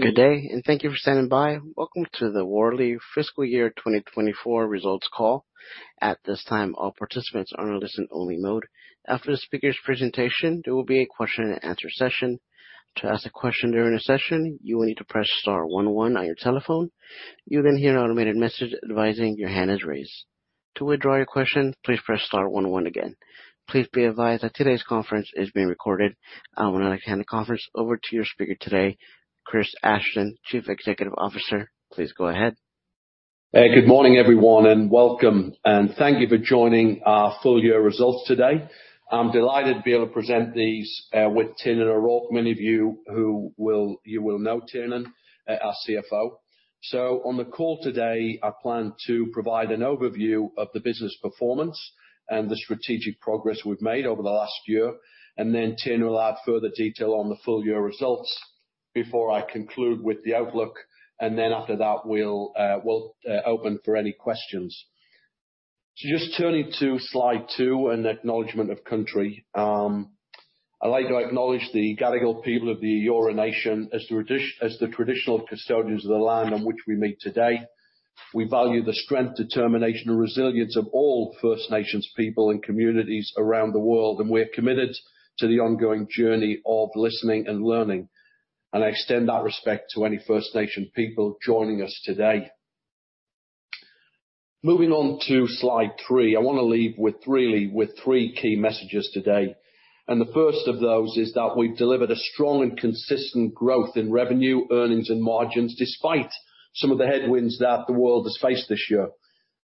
Good day and thank you for standing by. Welcome to the Worley Fiscal Year 2024 Results Call. At this time, all participants are in a listen-only mode. After the speaker's presentation, there will be a question-and-answer session. To ask a question during the session, you will need to press *1 on your telephone. You'll then hear an automated message advising your hand is raised. To withdraw your question, please press *1 1 again. Please be advised that today's conference is being recorded. I want to hand the conference over to your speaker today, Chris Ashton, Chief Executive Officer. Please go ahead. Good morning, everyone, and welcome, and thank you for joining our full year results today. I'm delighted to be able to present these with Tiernan O'Rourke. Many of you will know Tiernan, our CFO. On the call today, I plan to provide an overview of the business performance and the strategic progress we've made over the last year, and then Tiernan will add further detail on the full year results before I conclude with the outlook, and then after that, we'll open for any questions. Just turning to slide two, an Acknowledgement of Country. I'd like to acknowledge the Gadigal people of the Eora Nation as the traditional custodians of the land on which we meet today. We value the strength, determination and resilience of all First Nations people and communities around the world, and we're committed to the ongoing journey of listening and learning, and I extend that respect to any First Nations people joining us today. Moving on to slide three, I want to leave with three key messages today, and the first of those is that we've delivered a strong and consistent growth in revenue, earnings, and margins, despite some of the headwinds that the world has faced this year.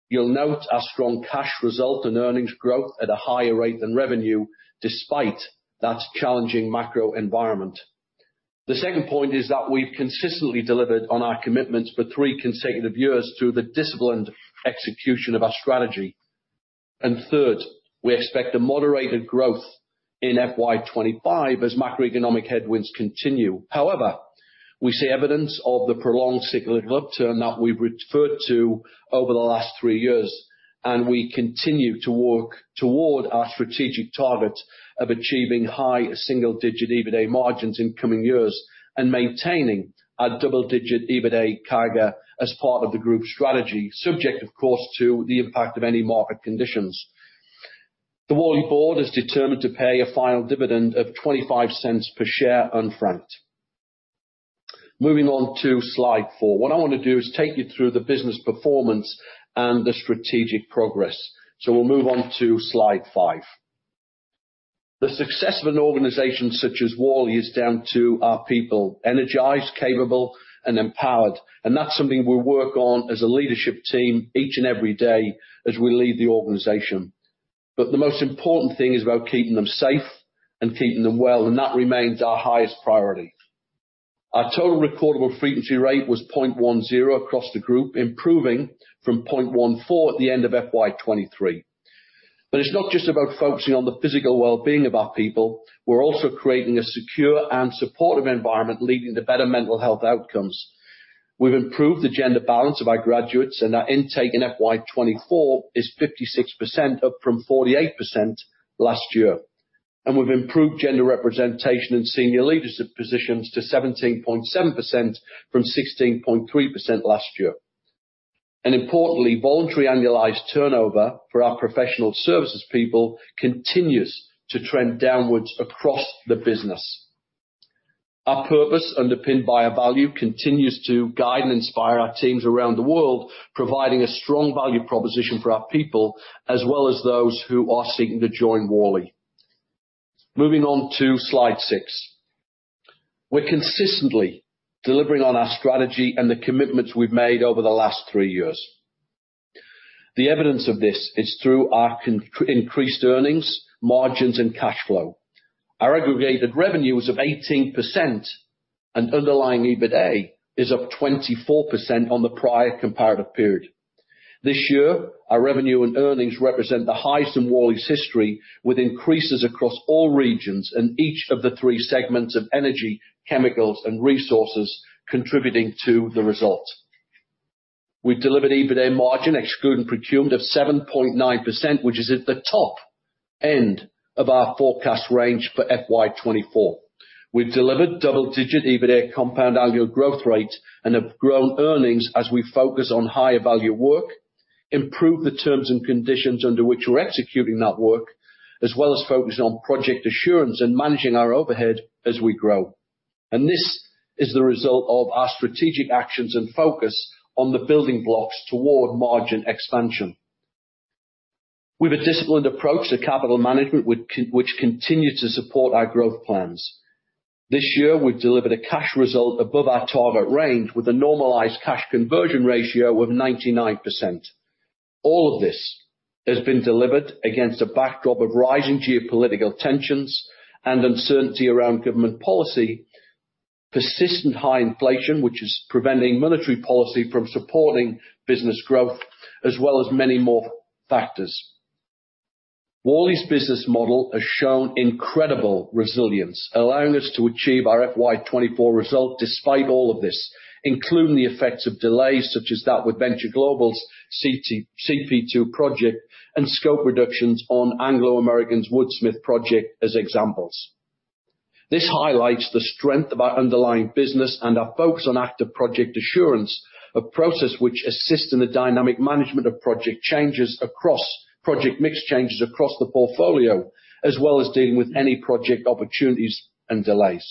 You'll note our strong cash result and earnings growth at a higher rate than revenue, despite that challenging macro environment. The second point is that we've consistently delivered on our commitments for three consecutive years through the disciplined execution of our strategy. And third, we expect a moderated growth in FY 2025 as macroeconomic headwinds continue. However, we see evidence of the prolonged cyclical upturn that we've referred to over the last three years, and we continue to work toward our strategic target of achieving high single-digit EBITA margins in coming years and maintaining a double-digit EBITA CAGR as part of the group's strategy, subject, of course, to the impact of any market conditions. The Worley board is determined to pay a final dividend of 0.25 per share unfranked. Moving on to slide four. What I want to do is take you through the business performance and the strategic progress, so we'll move on to slide five. The success of an organization such as Worley is down to our people, energized, capable and empowered, and that's something we work on as a leadership team each and every day as we lead the organization. But the most important thing is about keeping them safe and keeping them well, and that remains our highest priority. Our total recordable frequency rate was 0.10 across the group, improving from 0.14 at the end of FY 2023. But it's not just about focusing on the physical well-being of our people. We're also creating a secure and supportive environment, leading to better mental health outcomes. We've improved the gender balance of our graduates, and our intake in FY 2024 is 56%, up from 48% last year. And we've improved gender representation in senior leadership positions to 17.7% from 16.3% last year. And importantly, voluntary annualized turnover for our professional services people continues to trend downwards across the business. Our purpose, underpinned by our value, continues to guide and inspire our teams around the world, providing a strong value proposition for our people, as well as those who are seeking to join Worley. Moving on to slide six. We're consistently delivering on our strategy and the commitments we've made over the last three years. The evidence of this is through our increased earnings, margins, and cash flow. Our aggregated revenue is up 18% and underlying EBITA is up 24% on the prior comparative period. This year, our revenue and earnings represent the highest in Worley's history, with increases across all regions and each of the three segments of energy, chemicals, and resources contributing to the result. We've delivered EBITA margin excluding procurement of 7.9%, which is at the top end of our forecast range for FY 2024. We've delivered double-digit EBITA compound annual growth rate and have grown earnings as we focus on higher value work, improve the terms and conditions under which we're executing that work, as well as focusing on project assurance and managing our overhead as we grow. And this is the result of our strategic actions and focus on the building blocks toward margin expansion. We've a disciplined approach to capital management, which continues to support our growth plans. This year, we've delivered a cash result above our target range with a normalized cash conversion ratio of 99%. All of this has been delivered against a backdrop of rising geopolitical tensions and uncertainty around government policy, persistent high inflation, which is preventing monetary policy from supporting business growth, as well as many more factors. Worley's business model has shown incredible resilience, allowing us to achieve our FY 2024 result despite all of this, including the effects of delays such as that with Venture Global's CP2 project and scope reductions on Anglo American's Woodsmith project, as examples. This highlights the strength of our underlying business and our focus on active project assurance, a process which assists in the dynamic management of project changes across project mix changes across the portfolio, as well as dealing with any project opportunities and delays.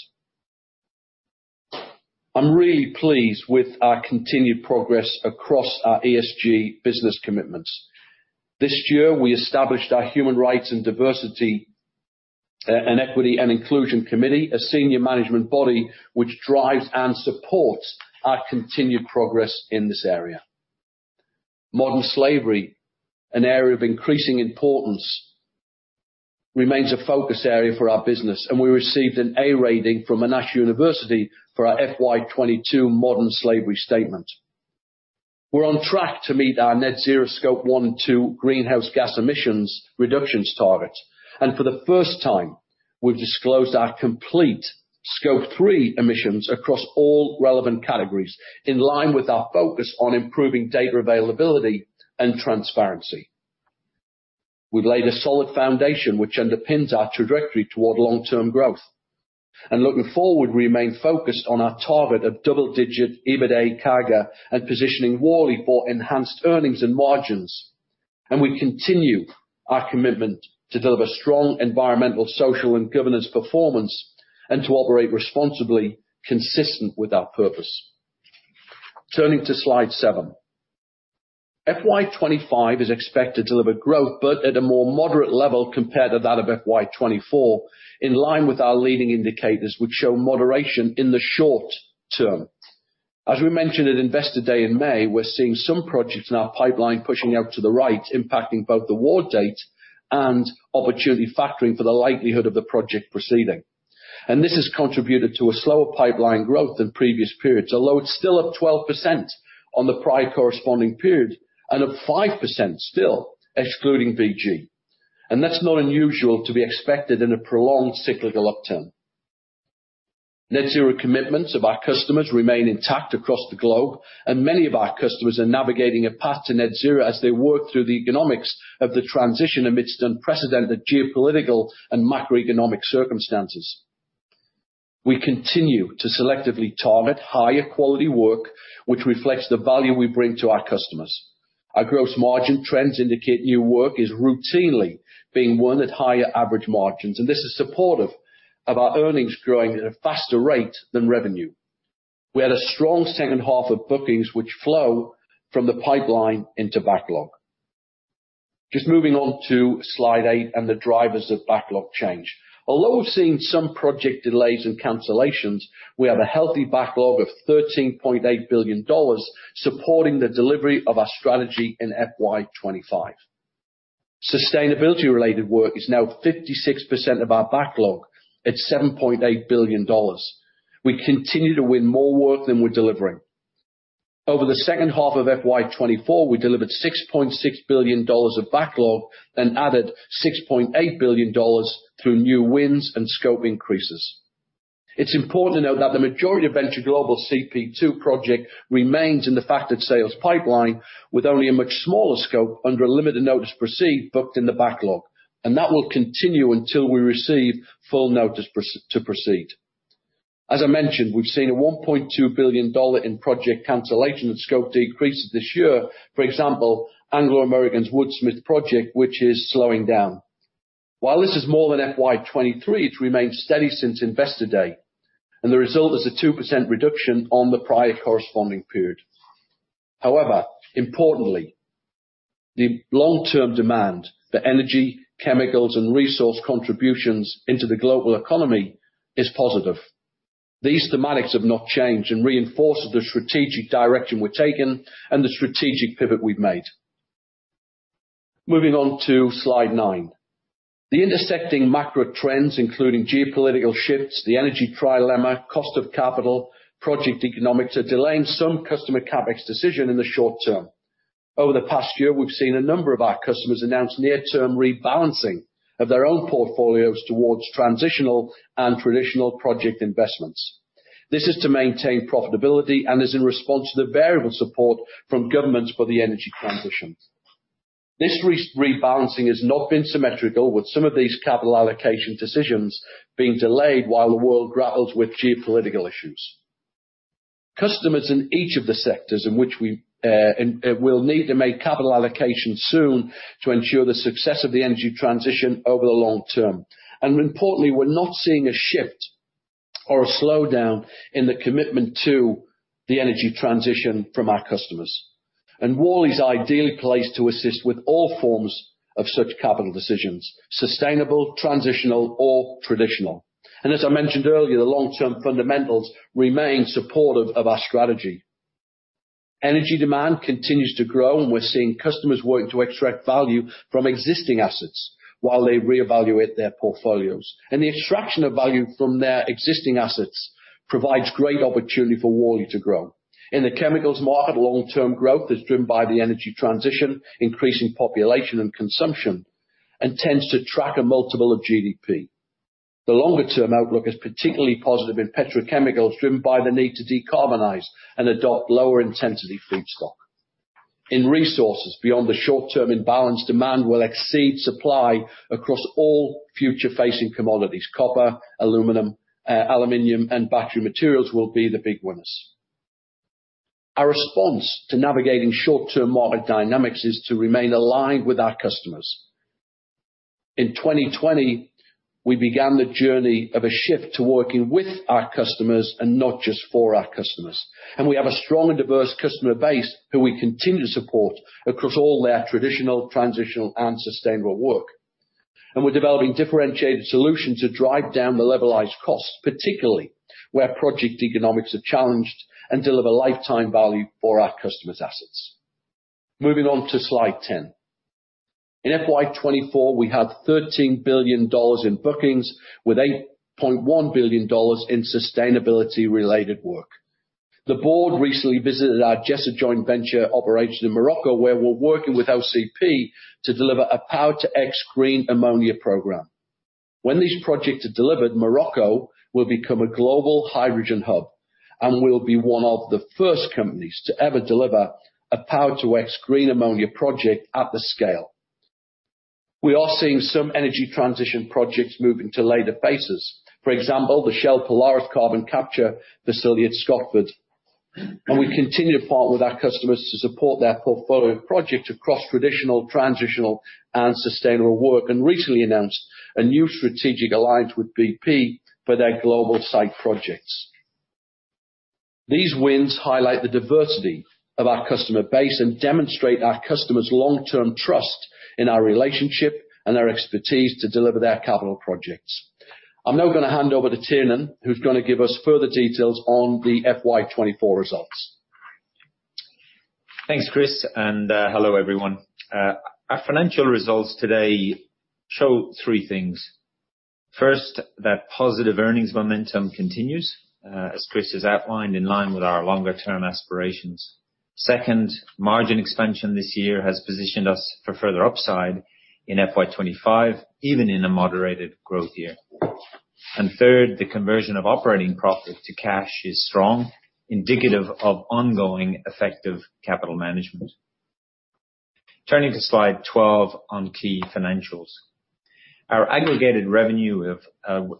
I'm really pleased with our continued progress across our ESG business commitments. This year, we established our Human Rights and Diversity, and Equity and Inclusion Committee, a senior management body which drives and supports our continued progress in this area. Modern slavery, an area of increasing importance, remains a focus area for our business, and we received an A rating from Monash University for our FY 2022 modern slavery statement. We're on track to meet our net zero Scope 1 and 2 greenhouse gas emissions reductions targets, and for the first time, we've disclosed our complete Scope 3 emissions across all relevant categories, in line with our focus on improving data availability and transparency. We've laid a solid foundation, which underpins our trajectory toward long-term growth. And looking forward, we remain focused on our target of double-digit EBITA CAGR and positioning Worley for enhanced earnings and margins. And we continue our commitment to deliver strong environmental, social, and governance performance and to operate responsibly, consistent with our purpose. Turning to slide seven. FY 2025 is expected to deliver growth, but at a more moderate level compared to that of FY 2024, in line with our leading indicators, which show moderation in the short term. As we mentioned at Investor Day in May, we're seeing some projects in our pipeline pushing out to the right, impacting both the award date and opportunity factoring for the likelihood of the project proceeding. This has contributed to a slower pipeline growth than previous periods, although it's still up 12% on the prior corresponding period, and up 5% still, excluding VG. That's not unusual to be expected in a prolonged cyclical uptick. Net zero commitments of our customers remain intact across the globe, and many of our customers are navigating a path to net zero as they work through the economics of the transition amidst unprecedented geopolitical and macroeconomic circumstances. We continue to selectively target higher quality work, which reflects the value we bring to our customers. Our gross margin trends indicate new work is routinely being won at higher average margins, and this is supportive of our earnings growing at a faster rate than revenue. We had a strong second half of bookings, which flow from the pipeline into backlog. Just moving on to slide 8 and the drivers of backlog change. Although we've seen some project delays and cancellations, we have a healthy backlog of 13.8 billion dollars, supporting the delivery of our strategy in FY 2025. Sustainability-related work is now 56% of our backlog at 7.8 billion dollars. We continue to win more work than we're delivering. Over the second half of FY 2024, we delivered 6.6 billion dollars of backlog and added 6.8 billion dollars through new wins and scope increases. It's important to note that the majority of Venture Global CP2 project remains in the factored sales pipeline, with only a much smaller scope under a limited notice to proceed, booked in the backlog, and that will continue until we receive full notice to proceed. As I mentioned, we've seen a 1.2 billion dollars in project cancellation and scope decreases this year. For example, Anglo American's Woodsmith project, which is slowing down. While this is more than FY 2023, it's remained steady since Investor Day, and the result is a 2% reduction on the prior corresponding period. However, importantly, the long-term demand for energy, chemicals, and resource contributions into the global economy is positive. These thematics have not changed and reinforced the strategic direction we've taken and the strategic pivot we've made. Moving on to slide nine. The intersecting macro trends, including geopolitical shifts, the energy trilemma, cost of capital, project economics, are delaying some customer CapEx decisions in the short term. Over the past year, we've seen a number of our customers announce near-term rebalancing of their own portfolios towards transitional and traditional project investments. This is to maintain profitability and is in response to the variable support from governments for the energy transition. This rebalancing has not been symmetrical, with some of these capital allocation decisions being delayed while the world grapples with geopolitical issues. Customers in each of the sectors in which we will need to make capital allocations soon to ensure the success of the energy transition over the long term. Importantly, we're not seeing a shift or a slowdown in the commitment to the energy transition from our customers. Worley is ideally placed to assist with all forms of such capital decisions: sustainable, transitional or traditional. As I mentioned earlier, the long-term fundamentals remain supportive of our strategy. Energy demand continues to grow, and we're seeing customers working to extract value from existing assets while they reevaluate their portfolios. The extraction of value from their existing assets provides great opportunity for Worley to grow. In the chemicals market, long-term growth is driven by the energy transition, increasing population and consumption, and tends to track a multiple of GDP. The longer-term outlook is particularly positive in petrochemicals, driven by the need to decarbonize and adopt lower intensity feedstock.... In resources beyond the short-term imbalance, demand will exceed supply across all future-facing commodities. Copper, aluminum, and battery materials will be the big winners. Our response to navigating short-term market dynamics is to remain aligned with our customers. In 2020, we began the journey of a shift to working with our customers and not just for our customers, and we have a strong and diverse customer base who we continue to support across all their traditional, transitional, and sustainable work. We're developing differentiated solutions to drive down the levelized costs, particularly where project economics are challenged, and deliver lifetime value for our customers' assets. Moving on to Slide 10. In FY 2024, we had AUD 13 billion in bookings with AUD 8.1 billion in sustainability-related work. The board recently visited our JESA joint venture operation in Morocco, where we're working with OCP to deliver a Power-to-X green ammonia program. When these projects are delivered, Morocco will become a global hydrogen hub, and we'll be one of the first companies to ever deliver a Power-to-X green ammonia project at the scale. We are seeing some energy transition projects moving to later phases. For example, the Shell Polaris carbon capture facility at Scotford, and we continue to partner with our customers to support their portfolio of projects across traditional, transitional, and sustainable work, and recently announced a new strategic alliance with BP for their global site projects. These wins highlight the diversity of our customer base and demonstrate our customers' long-term trust in our relationship and our expertise to deliver their capital projects. I'm now going to hand over to Tiernan, who's going to give us further details on the FY 2024 results. Thanks, Chris, and hello, everyone. Our financial results today show three things. First, that positive earnings momentum continues, as Chris has outlined, in line with our longer-term aspirations. Second, margin expansion this year has positioned us for further upside in FY 2025, even in a moderated growth year. And third, the conversion of operating profit to cash is strong, indicative of ongoing effective capital management. Turning to Slide 12 on key financials. Our aggregated revenue of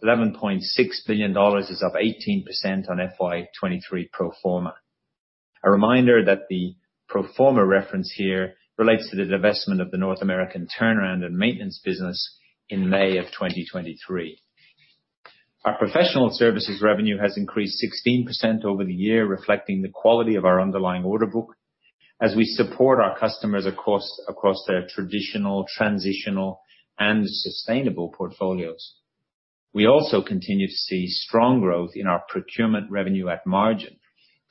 11.6 billion dollars is up 18% on FY 2023 pro forma. A reminder that the pro forma reference here relates to the divestment of the North American turnaround and maintenance business in May 2023. Our professional services revenue has increased 16% over the year, reflecting the quality of our underlying order book as we support our customers across their traditional, transitional, and sustainable portfolios. We also continue to see strong growth in our procurement revenue at margin,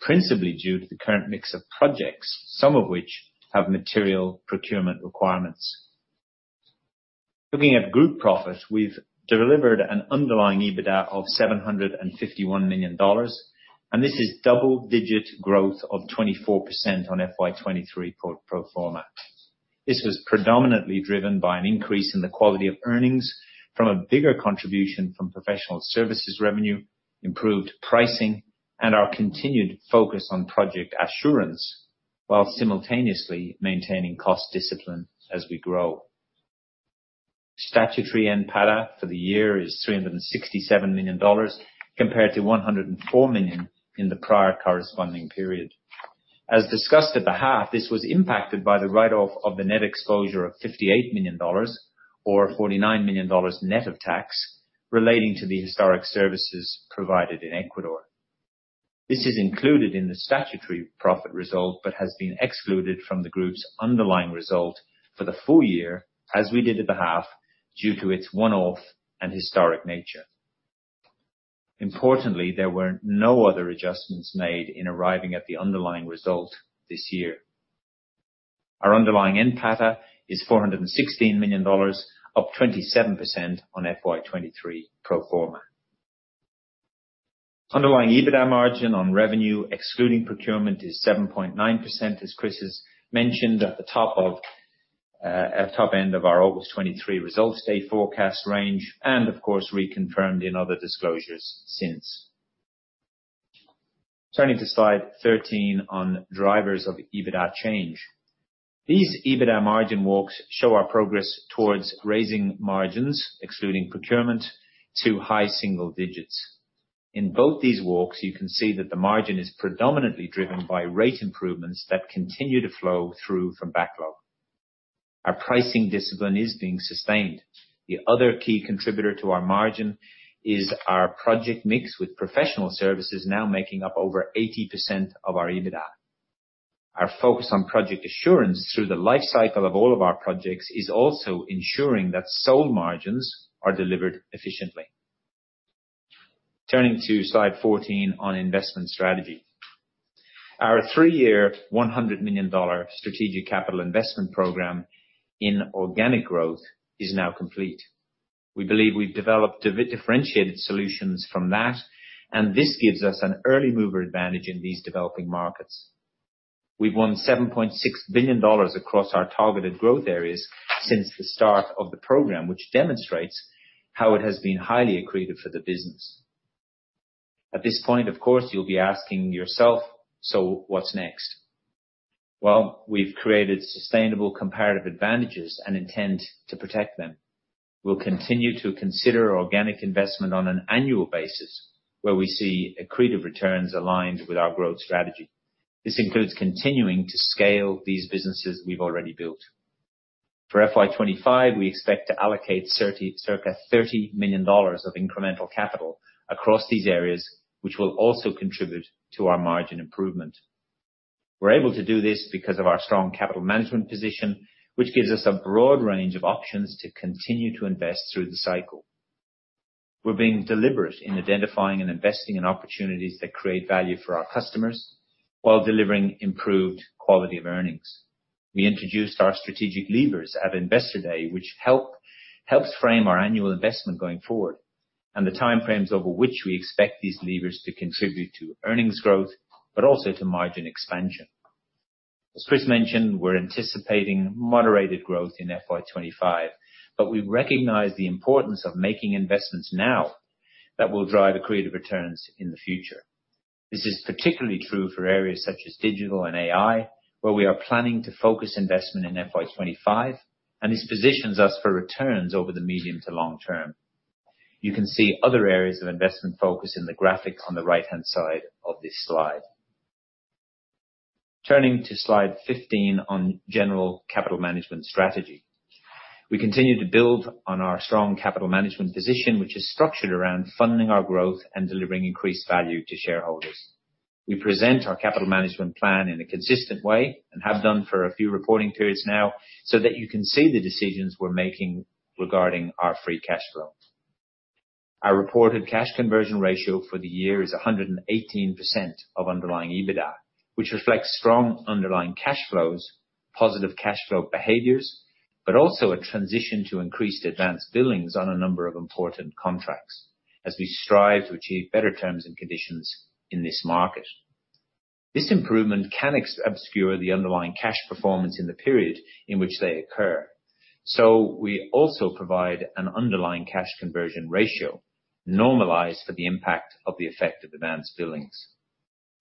principally due to the current mix of projects, some of which have material procurement requirements. Looking at group profit, we've delivered an underlying EBITA of 751 million dollars, and this is double-digit growth of 24% on FY 2023 pro forma. This was predominantly driven by an increase in the quality of earnings from a bigger contribution from professional services revenue, improved pricing, and our continued focus on project assurance, while simultaneously maintaining cost discipline as we grow. Statutory NPATA for the year is 367 million dollars, compared to 104 million in the prior corresponding period. As discussed at the half, this was impacted by the write-off of the net exposure of 58 million dollars, or 49 million dollars net of tax, relating to the historic services provided in Ecuador. This is included in the statutory profit result, but has been excluded from the group's underlying result for the full year, as we did at the half, due to its one-off and historic nature. Importantly, there were no other adjustments made in arriving at the underlying result this year. Our underlying NPATA is 416 million dollars, up 27% on FY 2023 pro forma. Underlying EBITDA margin on revenue, excluding procurement, is 7.9%, as Chris has mentioned at the top end of our August 2023 results day forecast range, and of course, reconfirmed in other disclosures since. Turning to Slide 13 on drivers of EBITDA change. These EBITDA margin walks show our progress towards raising margins, excluding procurement, to high single digits. In both these walks, you can see that the margin is predominantly driven by rate improvements that continue to flow through from backlog. Our pricing discipline is being sustained. The other key contributor to our margin is our project mix, with professional services now making up over 80% of our EBITDA. Our focus on project assurance through the life cycle of all of our projects is also ensuring that sold margins are delivered efficiently. Turning to Slide 14 on investment strategy. Our three-year, 100 million dollar strategic capital investment program in organic growth is now complete. We believe we've developed differentiated solutions from that, and this gives us an early mover advantage in these developing markets. We've won 7.6 billion dollars across our targeted growth areas since the start of the program, which demonstrates how it has been highly accretive for the business. At this point, of course, you'll be asking yourself: So, what's next? Well, we've created sustainable comparative advantages and intend to protect them. We'll continue to consider organic investment on an annual basis, where we see accretive returns aligned with our growth strategy. This includes continuing to scale these businesses we've already built. For FY 2025, we expect to allocate circa 30 million dollars of incremental capital across these areas, which will also contribute to our margin improvement. We're able to do this because of our strong capital management position, which gives us a broad range of options to continue to invest through the cycle. We're being deliberate in identifying and investing in opportunities that create value for our customers, while delivering improved quality of earnings. We introduced our strategic levers at Investor Day, which helps frame our annual investment going forward, and the timeframes over which we expect these levers to contribute to earnings growth, but also to margin expansion. As Chris mentioned, we're anticipating moderated growth in FY 2025, but we recognize the importance of making investments now that will drive accretive returns in the future. This is particularly true for areas such as digital and AI, where we are planning to focus investment in FY 2025, and this positions us for returns over the medium to long term. You can see other areas of investment focus in the graphic on the right-hand side of this slide. Turning to slide 15 on general capital management strategy. We continue to build on our strong capital management position, which is structured around funding our growth and delivering increased value to shareholders. We present our capital management plan in a consistent way, and have done for a few reporting periods now, so that you can see the decisions we're making regarding our free cash flow. Our reported cash conversion ratio for the year is 118% of underlying EBITA, which reflects strong underlying cash flows, positive cash flow behaviors, but also a transition to increased advanced billings on a number of important contracts, as we strive to achieve better terms and conditions in this market. This improvement can obscure the underlying cash performance in the period in which they occur, so we also provide an underlying cash conversion ratio, normalized for the impact of the effect of advanced billings.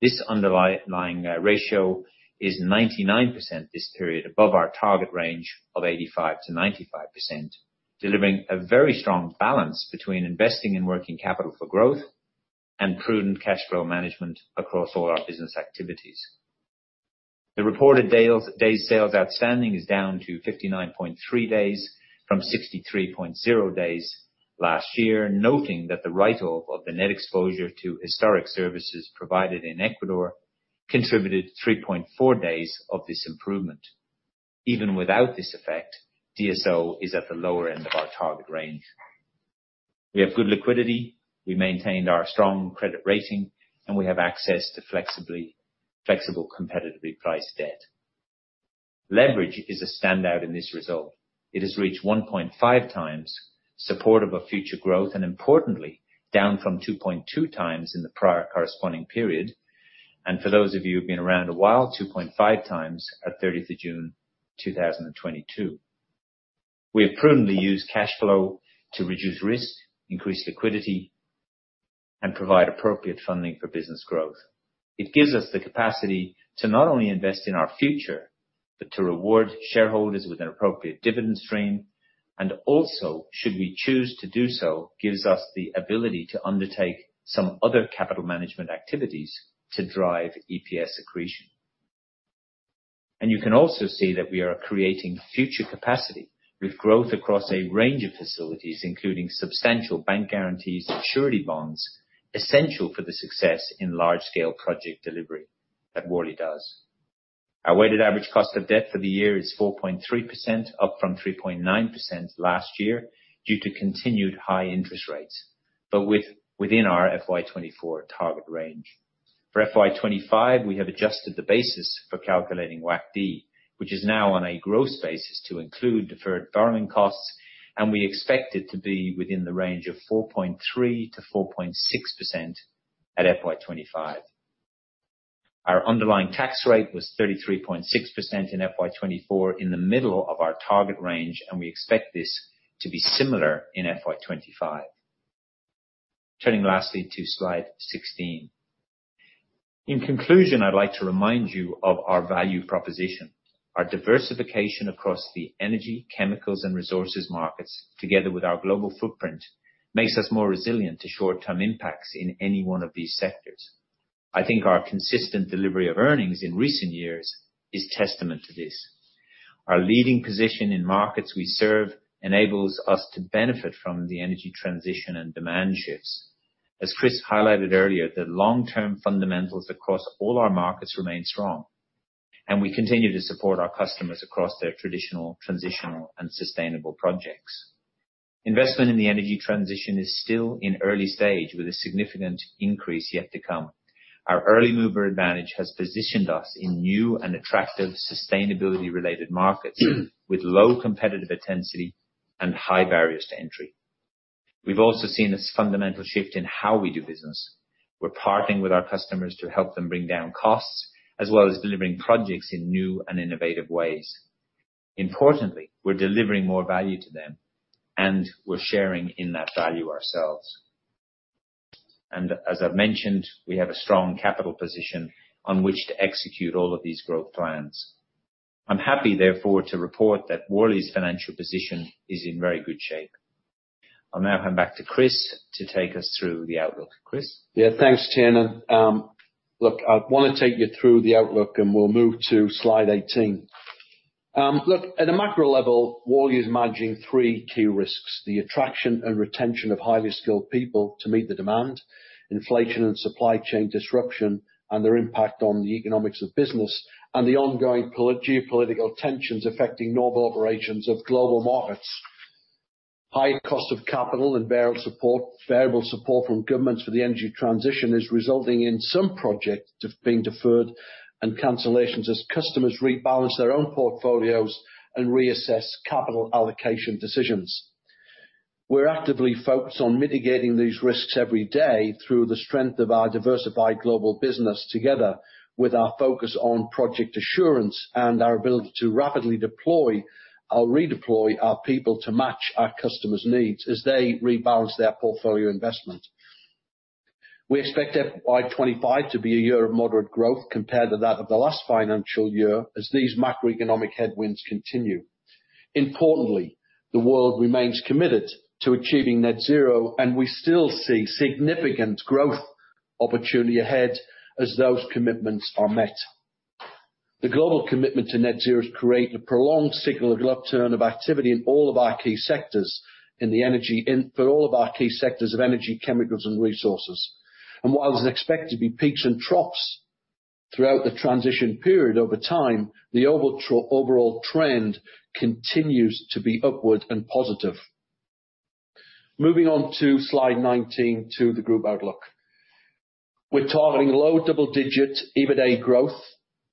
This underlying ratio is 99% this period, above our target range of 85%-95%, delivering a very strong balance between investing in working capital for growth and prudent cash flow management across all our business activities. The reported days sales outstanding is down to 59.3 days from 63.0 days last year. Noting that the write-off of the net exposure to historic services provided in Ecuador contributed 3.4 days of this improvement. Even without this effect, DSO is at the lower end of our target range. We have good liquidity, we maintained our strong credit rating, and we have access to flexible, competitively priced debt. Leverage is a standout in this result. It has reached 1.5 times support of a future growth, and importantly, down from 2.2 times in the prior corresponding period. For those of you who've been around a while, 2.5 times at thirtieth of June 2022. We have prudently used cash flow to reduce risk, increase liquidity, and provide appropriate funding for business growth. It gives us the capacity to not only invest in our future, but to reward shareholders with an appropriate dividend stream, and also, should we choose to do so, gives us the ability to undertake some other capital management activities to drive EPS accretion. You can also see that we are creating future capacity with growth across a range of facilities, including substantial bank guarantees and surety bonds, essential for the success in large-scale project delivery that Worley does. Our weighted average cost of debt for the year is 4.3%, up from 3.9% last year, due to continued high interest rates, but within our FY 2024 target range. For FY 2025, we have adjusted the basis for calculating WACD, which is now on a gross basis to include deferred borrowing costs, and we expect it to be within the range of 4.3%-4.6% at FY 2025. Our underlying tax rate was 33.6% in FY 2024, in the middle of our target range, and we expect this to be similar in FY 2025. Turning lastly to Slide 16. In conclusion, I'd like to remind you of our value proposition. Our diversification across the energy, chemicals, and resources markets, together with our global footprint, makes us more resilient to short-term impacts in any one of these sectors. I think our consistent delivery of earnings in recent years is testament to this. Our leading position in markets we serve enables us to benefit from the energy transition and demand shifts. As Chris highlighted earlier, the long-term fundamentals across all our markets remain strong, and we continue to support our customers across their traditional, transitional, and sustainable projects. Investment in the energy transition is still in early stage, with a significant increase yet to come. Our early mover advantage has positioned us in new and attractive sustainability-related markets with low competitive intensity and high barriers to entry. We've also seen a fundamental shift in how we do business. We're partnering with our customers to help them bring down costs, as well as delivering projects in new and innovative ways. Importantly, we're delivering more value to them, and we're sharing in that value ourselves, and as I've mentioned, we have a strong capital position on which to execute all of these growth plans. I'm happy, therefore, to report that Worley's financial position is in very good shape. I'll now hand back to Chris to take us through the outlook. Chris? Yeah, thanks, Tiernan. Look, I want to take you through the outlook, and we'll move to slide 18. Look, at a macro level, Worley is managing three key risks: the attraction and retention of highly skilled people to meet the demand, inflation and supply chain disruption and their impact on the economics of business, and the ongoing geopolitical tensions affecting normal operations of global markets. Higher cost of capital and variable support from governments for the energy transition is resulting in some projects being deferred and cancellations as customers rebalance their own portfolios and reassess capital allocation decisions. We're actively focused on mitigating these risks every day through the strength of our diversified global business, together with our focus on project assurance and our ability to rapidly deploy or redeploy our people to match our customers' needs as they rebalance their portfolio investment. We expect FY 2025 to be a year of moderate growth compared to that of the last financial year as these macroeconomic headwinds continue. Importantly, the world remains committed to achieving net zero, and we still see significant growth opportunity ahead as those commitments are met. The global commitment to net zero is creating a prolonged signal of upturn of activity in all of our key sectors of energy, chemicals, and resources. While there's expected to be peaks and troughs throughout the transition period, over time, the overall trend continues to be upward and positive. Moving on to slide 19, to the group outlook. We're targeting low double-digit EBITA growth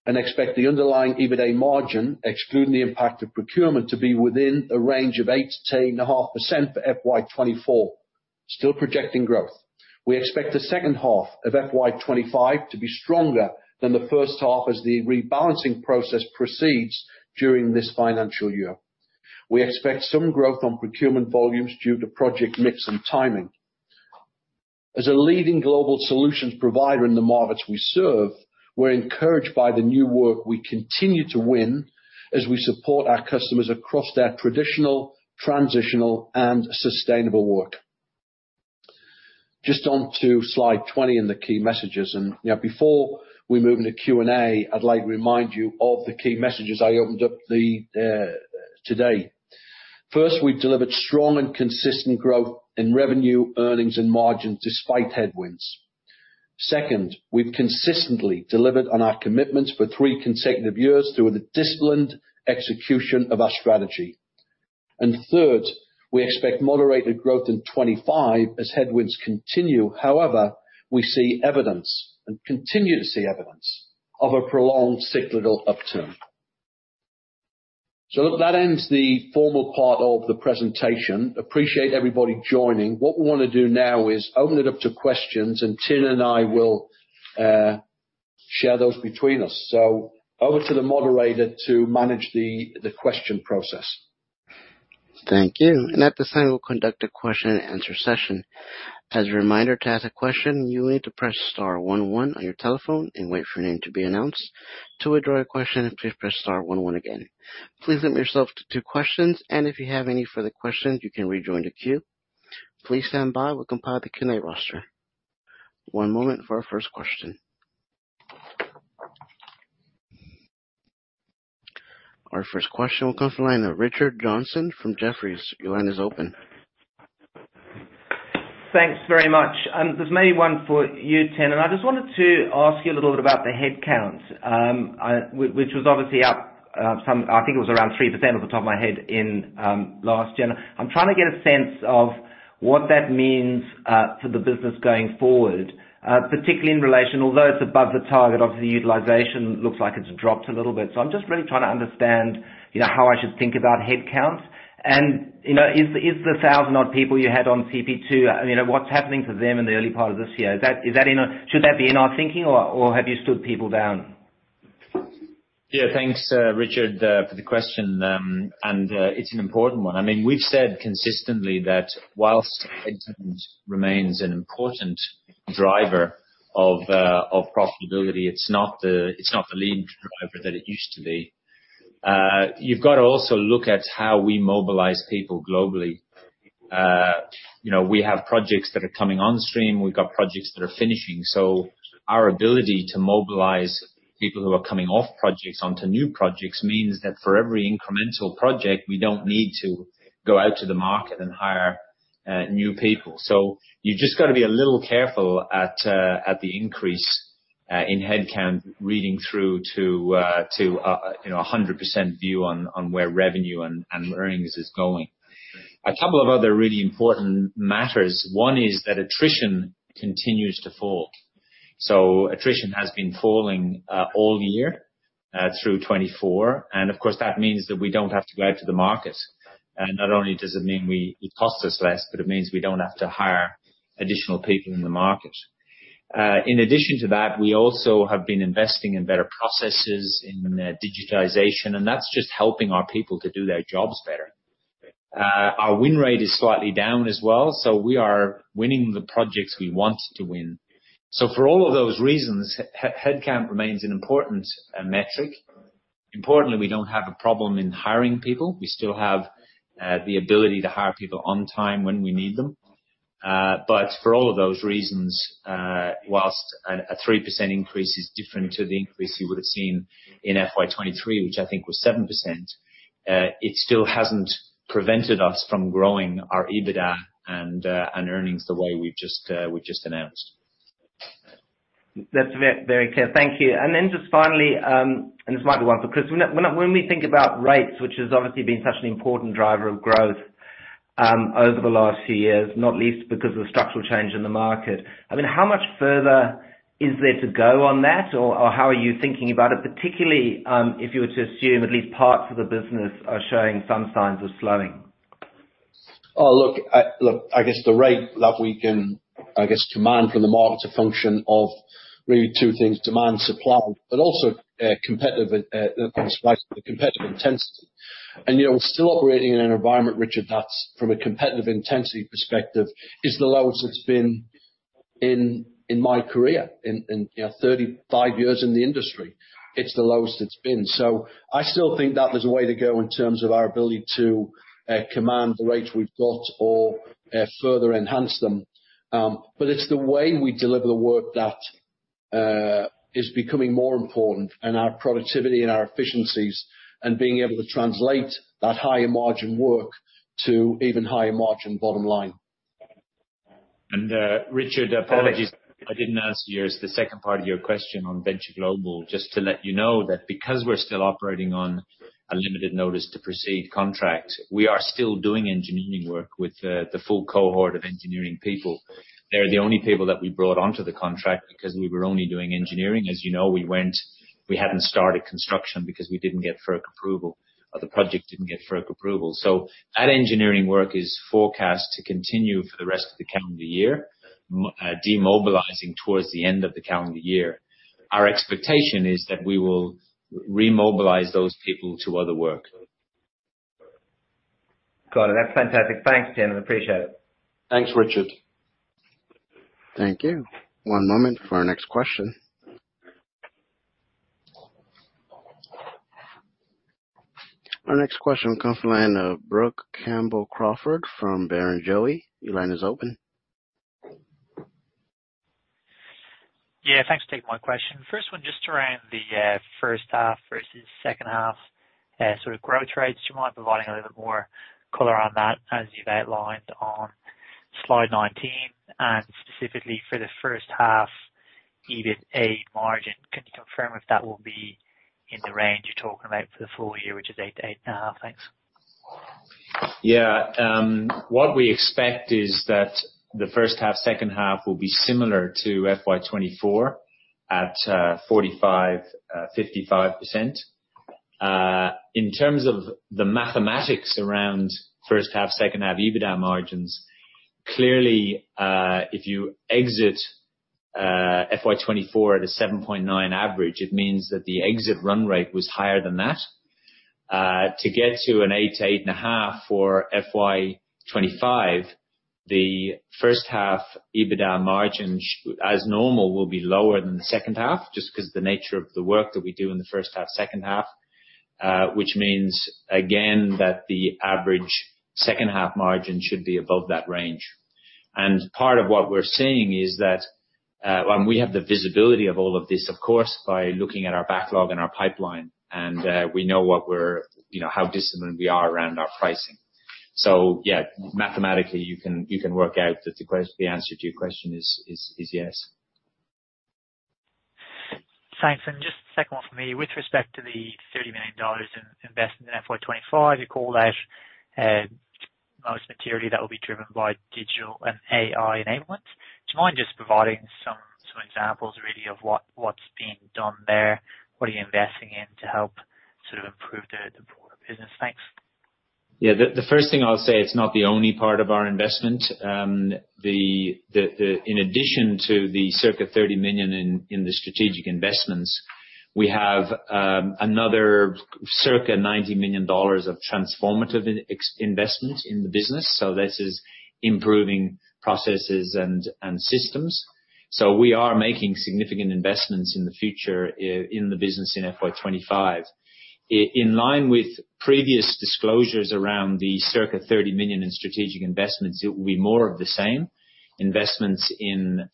and expect the underlying EBITA margin, excluding the impact of procurement, to be within a range of 8%-10.5% for FY 2024, still projecting growth. We expect the second half of FY 2025 to be stronger than the first half as the rebalancing process proceeds during this financial year. We expect some growth on procurement volumes due to project mix and timing. As a leading global solutions provider in the markets we serve, we're encouraged by the new work we continue to win as we support our customers across their traditional, transitional, and sustainable work. Just on to slide 20 and the key messages, and you know, before we move into Q&A, I'd like to remind you of the key messages I opened up the today. First, we've delivered strong and consistent growth in revenue, earnings, and margins despite headwinds. Second, we've consistently delivered on our commitments for three consecutive years through the disciplined execution of our strategy. And third, we expect moderated growth in 2025 as headwinds continue. However, we see evidence and continue to see evidence of a prolonged cyclical upturn. So, look, that ends the formal part of the presentation. Appreciate everybody joining. What we want to do now is open it up to questions, and Tiernan and I will share those between us. So over to the moderator to manage the question process. Thank you, and at this time, we'll conduct a question-and-answer session. As a reminder, to ask a question, you will need to press *1 1 on your telephone and wait for your name to be announced. To withdraw your question, please *1 1 again. Please limit yourself to 2 questions, and if you have any further questions, you can rejoin the queue. Please stand by. We'll compile the Q&A roster. One moment for our first question. Our first question will come from the line of Richard Johnson from Jefferies. Your line is open. Thanks very much. There's maybe one for you, Tiernan. I just wanted to ask you a little bit about the headcount, which was obviously up some. I think it was around 3%, off the top of my head, in last year. I'm trying to get a sense of what that means for the business going forward, particularly in relation, although it's above the target, obviously, utilization looks like it's dropped a little bit. So, I'm just really trying to understand, you know, how I should think about headcounts. And, you know, is the thousand-odd people you had on CP2, I mean, what's happening to them in the early part of this year? Should that be in our thinking, or have you stood people down? Yeah. Thanks, Richard, for the question, and it's an important one. I mean, we've said consistently that whilst headcount remains an important driver of profitability, it's not the lead driver that it used to be. You've got to also look at how we mobilize people globally. You know, we have projects that are coming on stream. We've got projects that are finishing. So, our ability to mobilize people who are coming off projects onto new projects means that for every incremental project, we don't need to go out to the market and hire new people. So, you've just got to be a little careful at the increase in headcount reading through to you know, a 100% view on where revenue and earnings is going. A couple of other really important matters. One is that attrition continues to fall. So, attrition has been falling all year through 2024, and of course, that means that we don't have to go out to the market. Not only does it mean we, it costs us less, but it means we don't have to hire additional people in the market. In addition to that, we also have been investing in better processes, in digitization, and that's just helping our people to do their jobs better. Our win rate is slightly down as well, so we are winning the projects we want to win. So, for all of those reasons, head count remains an important metric. Importantly, we don't have a problem in hiring people. We still have the ability to hire people on time when we need them. But for all of those reasons, whilst a 3% increase is different to the increase you would have seen in FY 2023, which I think was 7%, it still hasn't prevented us from growing our EBITA and earnings the way we've just announced. That's very clear. Thank you. And then just finally, and this might be one, because when we think about rates, which has obviously been such an important driver of growth, over the last few years, not least because of the structural change in the market, I mean, how much further is there to go on that? Or how are you thinking about it, particularly, if you were to assume at least parts of the business are showing some signs of slowing? Oh, look, I guess the rate that we can, I guess, command from the market is a function of really two things: demand and supply, but also competitive intensity. And, you know, we're still operating in an environment, Richard, that's from a competitive intensity perspective, is the lowest it's been in my career, you know, thirty-five years in the industry. It's the lowest it's been. So, I still think that there's a way to go in terms of our ability to command the rates we've got or further enhance them. But it's the way we deliver the work that is becoming more important and our productivity and our efficiencies and being able to translate that higher margin work to even higher margin bottom line. Richard, apologies, I didn't answer your, the second part of your question on Venture Global. Just to let you know that because we're still operating on a limited notice to proceed contract, we are still doing engineering work with the full cohort of engineering people. They're the only people that we brought onto the contract because we were only doing engineering. As you know, we hadn't started construction because we didn't get FERC approval, or the project didn't get FERC approval. So, that engineering work is forecast to continue for the rest of the calendar year, demobilizing towards the end of the calendar year. Our expectation is that we will remobilize those people to other work. Got it. That's fantastic. Thanks, gentlemen. Appreciate it. Thanks, Richard. Thank you. One moment for our next question. Our next question comes from the line of Brooke Campbell-Crawford from Barrenjoey. Your line is open. Yeah, thanks for taking my question. First one, just around the first half versus second half, sort of growth rates. Do you mind providing a little bit more color on that, as you've outlined on slide nineteen, and specifically for the first half, EBITA margin? Can you confirm if that will be in the range you're talking about for the full year, which is 8%-8.5%? Thanks. Yeah, what we expect is that the first half, second half will be similar to FY 2024 at 45%-55%. In terms of the mathematics around first half, second half EBITA margins, clearly, if you exit FY 2024 at a 7.9 average, it means that the exit run rate was higher than that. To get to an 8-8.5 for FY 2025, the first half EBITA margins, as normal, will be lower than the second half, just because the nature of the work that we do in the first half, second half, which means, again, that the average second half margin should be above that range. Part of what we're seeing is that, and we have the visibility of all of this, of course, by looking at our backlog and our pipeline, and we know what we're, you know, how disciplined we are around our pricing. So yeah, mathematically, you can work out that the answer to your question is yes. Thanks. And just the second one for me, with respect to the 30 million dollars in investment in FY 2025, you called out, most materially that will be driven by digital and AI enablement. Do you mind just providing some examples really of what, what's being done there? What are you investing in to help sort of improve the, the broader business? Thanks. Yeah. The first thing I'll say, it's not the only part of our investment. In addition to the circa 30 million in the strategic investments, we have another circa 90 millions dollars of transformative capex in the business, so this is improving processes and systems. So, we are making significant investments in the future in the business in FY 2025. In line with previous disclosures around the circa 30 million in strategic investments, it will be more of the same: investments in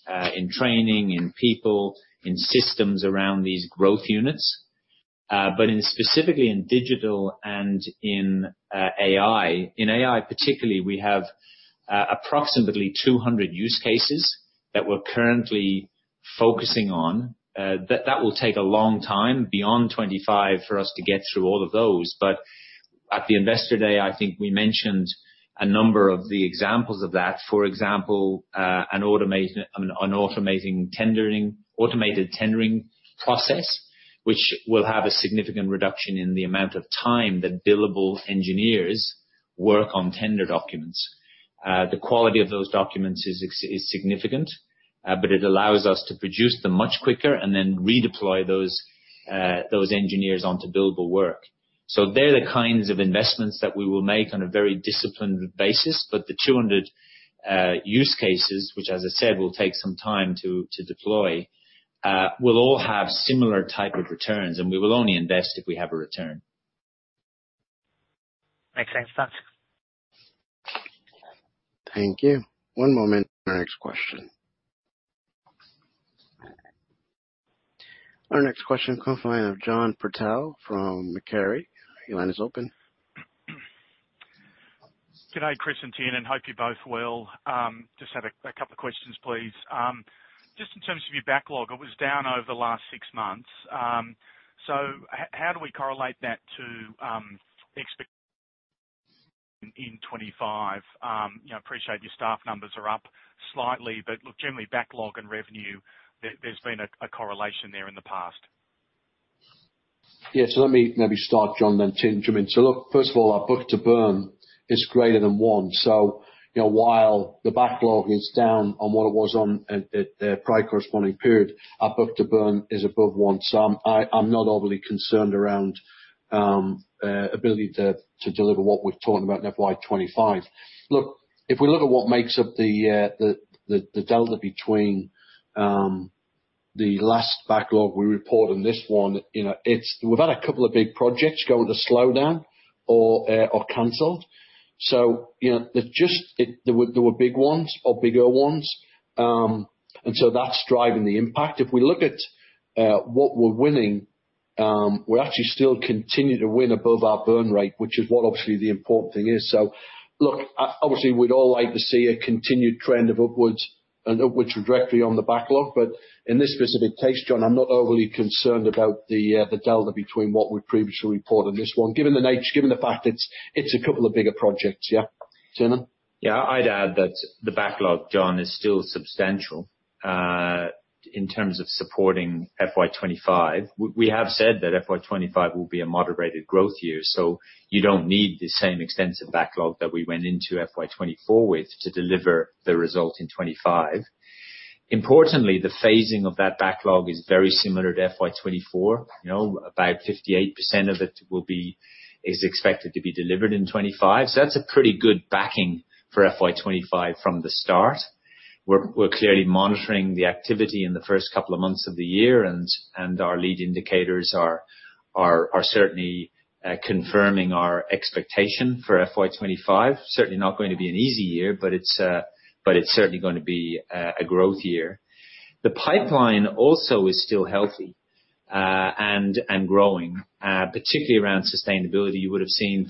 training, in people, in systems around these growth units. But specifically in digital and in AI, in AI particularly, we have approximately 200 use cases that we're currently focusing on. That will take a long time, beyond 2025, for us to get through all of those. But at the Investor Day, I think we mentioned a number of the examples of that. For example, an automated tendering process, which will have a significant reduction in the amount of time that billable engineers work on tender documents. The quality of those documents is significant, but it allows us to produce them much quicker and then redeploy those engineers onto billable work. So, they're the kinds of investments that we will make on a very disciplined basis. But the two hundred use cases, which, as I said, will take some time to deploy, will all have similar type of returns, and we will only invest if we have a return. Makes sense, thanks. Thank you. One moment for our next question. Our next question comes from John Purtell from Macquarie. Your line is open. Good day, Chris and Tiernan. Hope you're both well. Just have a couple of questions, please. Just in terms of your backlog, it was down over the last six months. So how do we correlate that to expect in 2025? You know, appreciate your staff numbers are up slightly, but look, generally backlog and revenue, there, there's been a correlation there in the past. Yeah, so let me maybe start, John, then Tiernan chime in. So, look, first of all, our book-to-burn is greater than one, so you know, while the backlog is down on what it was on at the prior corresponding period, our book-to-burn is above one. So, I'm not overly concerned around ability to deliver what we've talked about in FY 2025. Look, if we look at what makes up the delta between the last backlog we reported and this one, you know, it's... We've had a couple of big projects go into slowdown or canceled. So, you know, there were big ones or bigger ones. And so that's driving the impact. If we look at what we're winning, we're actually still continuing to win above our burn rate, which is what obviously the important thing is. So look, obviously, we'd all like to see a continued trend of upwards, an upwards trajectory on the backlog, but in this specific case, John, I'm not overly concerned about the delta between what we previously reported and this one. Given the nature, given the fact it's a couple of bigger projects. Yeah. Tiernan? Yeah. I'd add that the backlog, John, is still substantial in terms of supporting FY 2025. We have said that FY 2025 will be a moderated growth year, so you don't need the same extensive backlog that we went into FY 2024 with to deliver the result in 2025. Importantly, the phasing of that backlog is very similar to FY 2024. You know, about 58% of it will be-- is expected to be delivered in 2025. So that's a pretty good backing for FY 2025 from the start. We're clearly monitoring the activity in the first couple of months of the year, and our lead indicators are certainly confirming our expectation for FY 2025. Certainly not going to be an easy year, but it's certainly going to be a growth year. The pipeline also is still healthy and growing, particularly around sustainability. You would have seen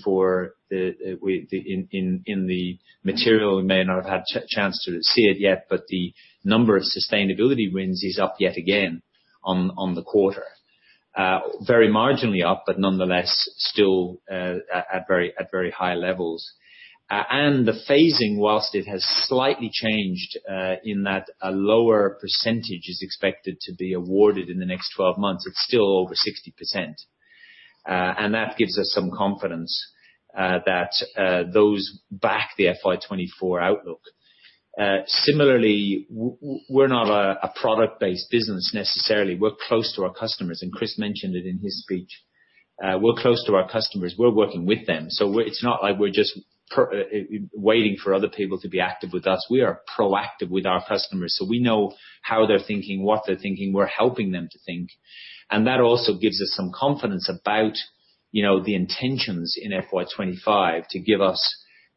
in the material. You may not have had chance to see it yet, but the number of sustainability wins is up yet again on the quarter. Very marginally up, but nonetheless, still at very high levels. And the phasing, whilst it has slightly changed, in that a lower percentage is expected to be awarded in the next twelve months, it's still over 60%. And that gives us some confidence that those back the FY 2024 outlook. Similarly, we're not a product-based business necessarily. We're close to our customers, and Chris mentioned it in his speech. We're close to our customers. We're working with them, so it's not like we're just waiting for other people to be active with us. We are proactive with our customers, so we know how they're thinking, what they're thinking. We're helping them to think. And that also gives us some confidence about, you know, the intentions in FY 2025 to give us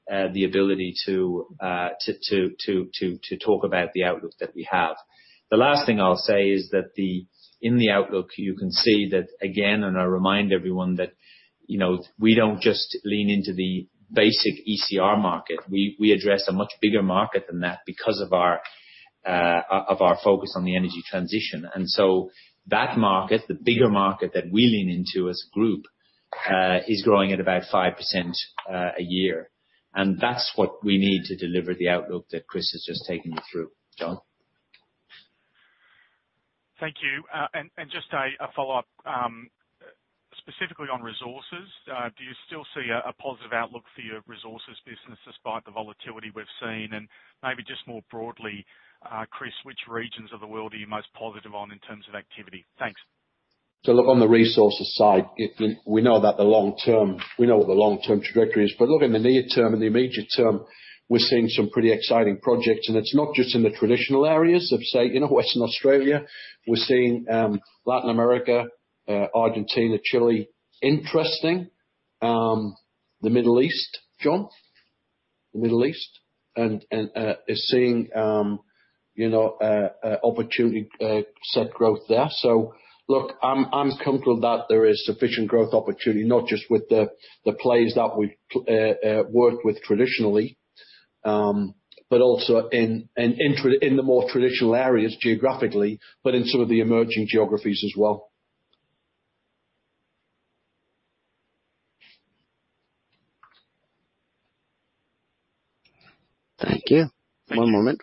the ability to talk about the outlook that we have. The last thing I'll say is that in the outlook, you can see that again, and I remind everyone that, you know, we don't just lean into the basic ECR market. We address a much bigger market than that because of our focus on the energy transition. So, that market, the bigger market that we lean into as a group, is growing at about 5% a year. That's what we need to deliver the outlook that Chris has just taken you through. John? Thank you. And just a follow-up, specifically on resources, do you still see a positive outlook for your resources business despite the volatility we've seen? And maybe just more broadly, Chris, which regions of the world are you most positive on in terms of activity? Thanks. So, look, on the resources side, we know that the long term, we know what the long-term trajectory is, but look, in the near term and the immediate term, we're seeing some pretty exciting projects, and it's not just in the traditional areas of, say, you know, Western Australia. We're seeing Latin America, Argentina, Chile, interesting. The Middle East, John, the Middle East, and is seeing, you know, an opportunity set growth there. So, look, I'm comfortable that there is sufficient growth opportunity, not just with the plays that we work with traditionally, but also in the more traditional areas geographically, but in some of the emerging geographies as well. Thank you. One moment.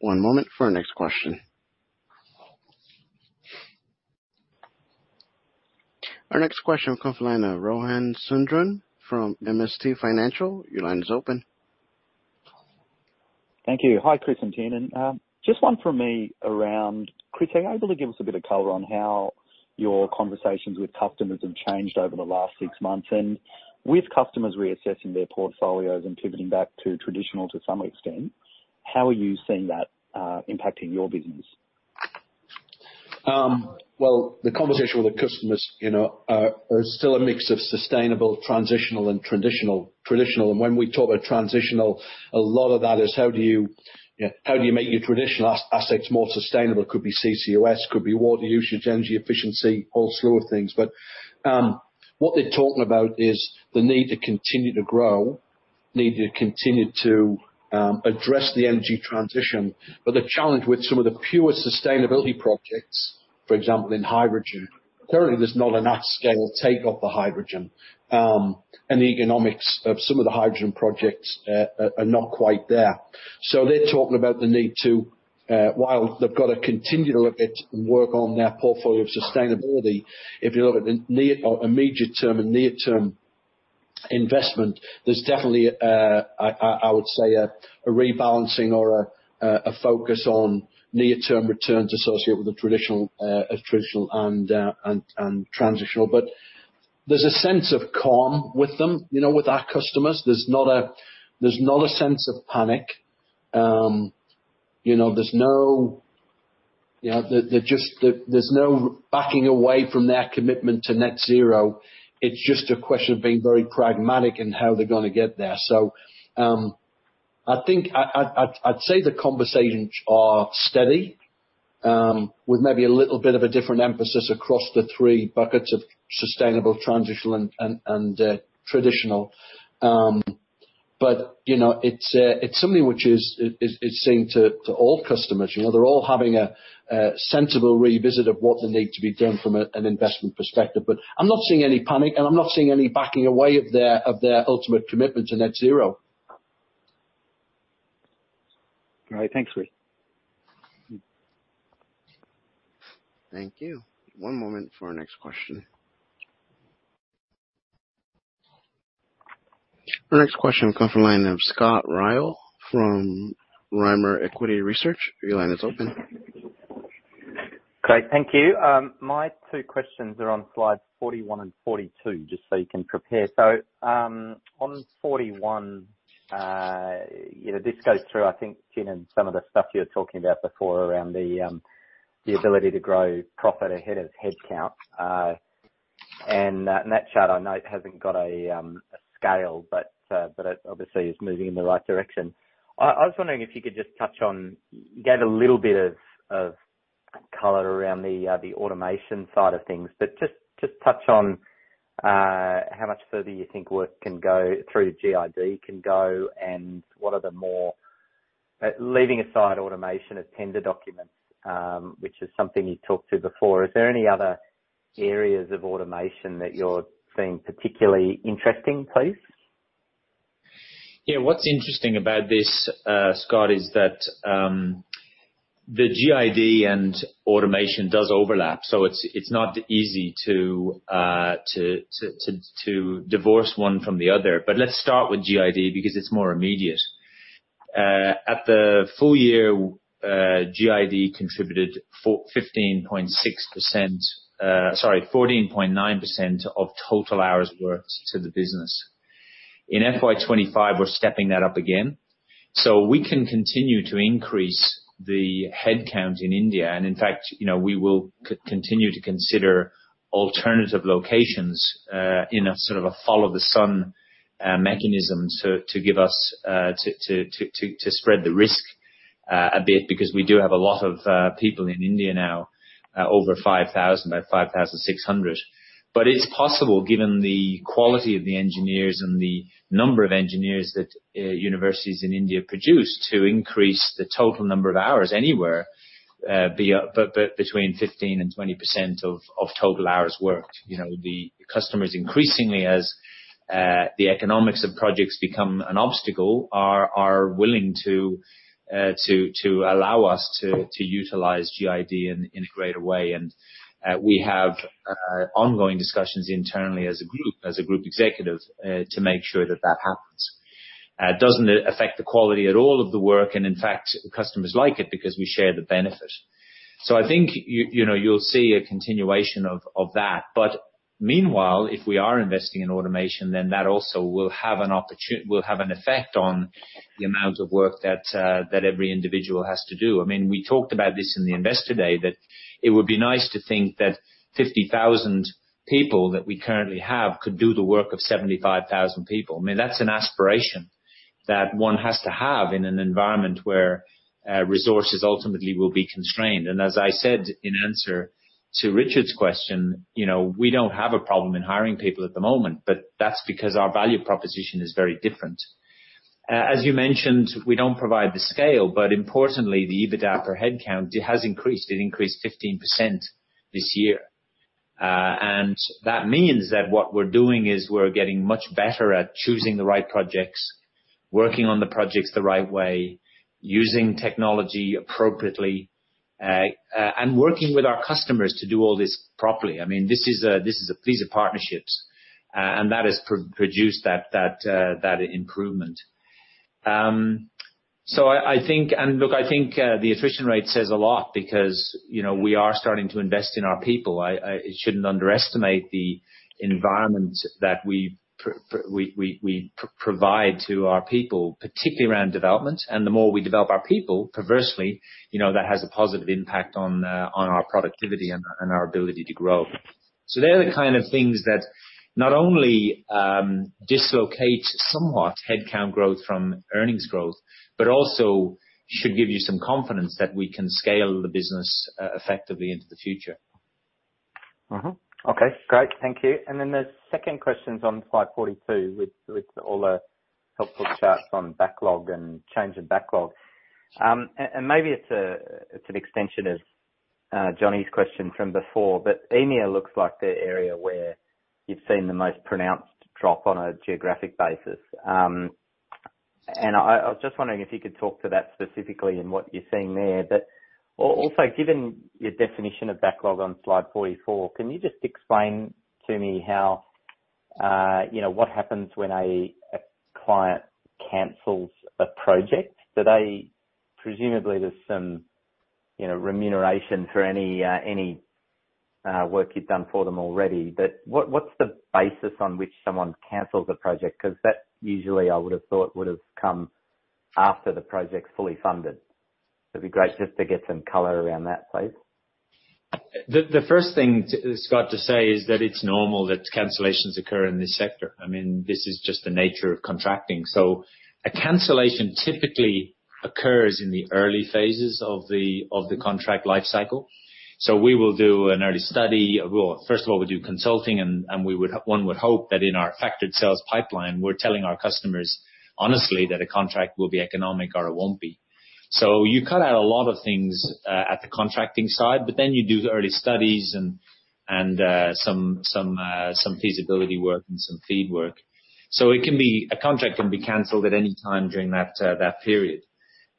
One moment for our next question. Our next question will come from the line of Rohan Sundram from MST Financial. Your line is open. Thank you. Hi, Chris and Tiernan. Just one for me around, Chris. Are you able to give us a bit of color on how your conversations with customers have changed over the last six months, and with customers reassessing their portfolios and pivoting back to traditional to some extents, how are you seeing that impacting your business? Well, the conversation with the customers, you know, are still a mix of sustainable, transitional, and traditional. And when we talk about transitional, a lot of that is how do you, you know, how do you make your traditional assets more sustainable? Could be CCUS, could be water usage, energy efficiency, whole slew of things. But what they're talking about is the need to continue to grow, need to continue to address the energy transition. But the challenge with some of the pure sustainability projects, for example, in hydrogen, currently, there's not enough scale take of the hydrogen. And the economics of some of the hydrogen projects are not quite there. So, they're talking about the need to, while they've got to continue to look at and work on their portfolio of sustainability. If you look at the near, or immediate term and near-term investment, there's definitely a rebalancing or a focus on near-term returns associated with the traditional and transitional. But there's a sense of calm with them, you know, with our customers. There's not a sense of panic. You know, there's no backing away from their commitment to net zero. It's just a question of being very pragmatic in how they're gonna get there. I think I'd say the conversations are steady, with maybe a little bit of a different emphasis across the three buckets of sustainable, transitional, and traditional. You know, it's something which is same to all customers. You know, they're all having a sensible revisit of what they need to be doing from an investment perspective. I'm not seeing any panic, and I'm not seeing any backing away of their ultimate commitment to net zero. All right. Thanks, Chris. Thank you. One moment for our next question. Our next question will come from the line of Scott Ryall from Rimor Equity Research. Your line is open. Great. Thank you. My two questions are on slide 41 and 42, just so you can prepare. On 41, you know, this goes through, I think, Tiernan, some of the stuff you were talking about before around the ability to grow profit ahead of headcount. And in that chart, I note it hasn't got a scale, but it obviously is moving in the right direction. I was wondering if you could just touch on. You gave a little bit of color around the automation side of things, but just touch on how much further you think Worley can go, through GID can go, and what are the more... Leaving aside automation of tender documents, which is something you talked to before, is there any other areas of automation that you're seeing particularly interesting, please? Yeah. What's interesting about this, Scott, is that the GID and automation does overlap, so it's not easy to divorce one from the other. But let's start with GID, because it's more immediate. At the full year, GID contributed 14.9% of total hours worked to the business. In FY 2025, we're stepping that up again. So, we can continue to increase the headcount in India, and in fact, you know, we will continue to consider alternative locations in a sort of a follow the sun mechanism to spread the risk a bit, because we do have a lot of people in India now, over 5,000, about 5,600. But it's possible, given the quality of the engineers and the number of engineers that universities in India produce, to increase the total number of hours anywhere be up between 15% and 20% of total hours worked. You know, the customers, increasingly, as the economics of projects become an obstacle, are willing to allow us to utilize GID in a greater way. And we have ongoing discussions internally as a group, as a group executive to make sure that that happens. It doesn't affect the quality at all of the work, and in fact, customers like it because we share the benefit. So, I think you, you know, you'll see a continuation of that. Meanwhile, if we are investing in automation, then that also will have an effect on the amount of work that that every individual has to do. I mean, we talked about this in the Investor Day, that it would be nice to think that 50,000 people that we currently have could do the work of 75,000 people. I mean, that's an aspiration that one has to have in an environment where resources ultimately will be constrained. And as I said in answer to Richard's question, you know, we don't have a problem in hiring people at the moment, but that's because our value proposition is very different. As you mentioned, we don't provide the scale, but importantly, the EBITA per head count has increased. It increased 15% this year. and that means that what we're doing is we're getting much better at choosing the right projects working on the projects the right way, using technology appropriately, and working with our customers to do all this properly. I mean, this is a, this is a piece of partnerships, and that has produced that improvement. So, I think. And look, I think, the attrition rate says a lot because, you know, we are starting to invest in our people. I shouldn't underestimate the environment that we provide to our people, particularly around development. And the more we develop our people, perversely, you know, that has a positive impact on our productivity and our ability to grow. They're the kind of things that not only dislocate somewhat headcount growth from earnings growth but also should give you some confidence that we can scale the business effectively into the future. Mm-hmm. Okay, great. Thank you. And then the second question is on slide 42, with all the helpful charts on backlog and change in backlog. And maybe it's an extension of John's question from before, but EMEA looks like the area where you've seen the most pronounced drop on a geographic basis. And I was just wondering if you could talk to that specifically and what you're seeing there. But also, given your definition of backlog on slide 44, can you just explain to me how, you know, what happens when a client cancels a project? Do they... presumably, there's some, you know, remuneration for any work you've done for them already. But what's the basis on which someone cancels a project? 'Cause that usually, I would have thought, would have come after the project's fully funded. It'd be great just to get some color around that, please. The first thing to say, Scott, is that it's normal that cancellations occur in this sector. I mean, this is just the nature of contracting. So, a cancellation typically occurs in the early phases of the contract life cycle. So, we will do an early study. First of all, we do consulting, and we would hope that in our effective sales pipeline, we're telling our customers honestly that a contract will be economic or it won't be. So, you cut out a lot of things at the contracting side, but then you do the early studies and some feasibility work and some FEED work. So, a contract can be canceled at any time during that period.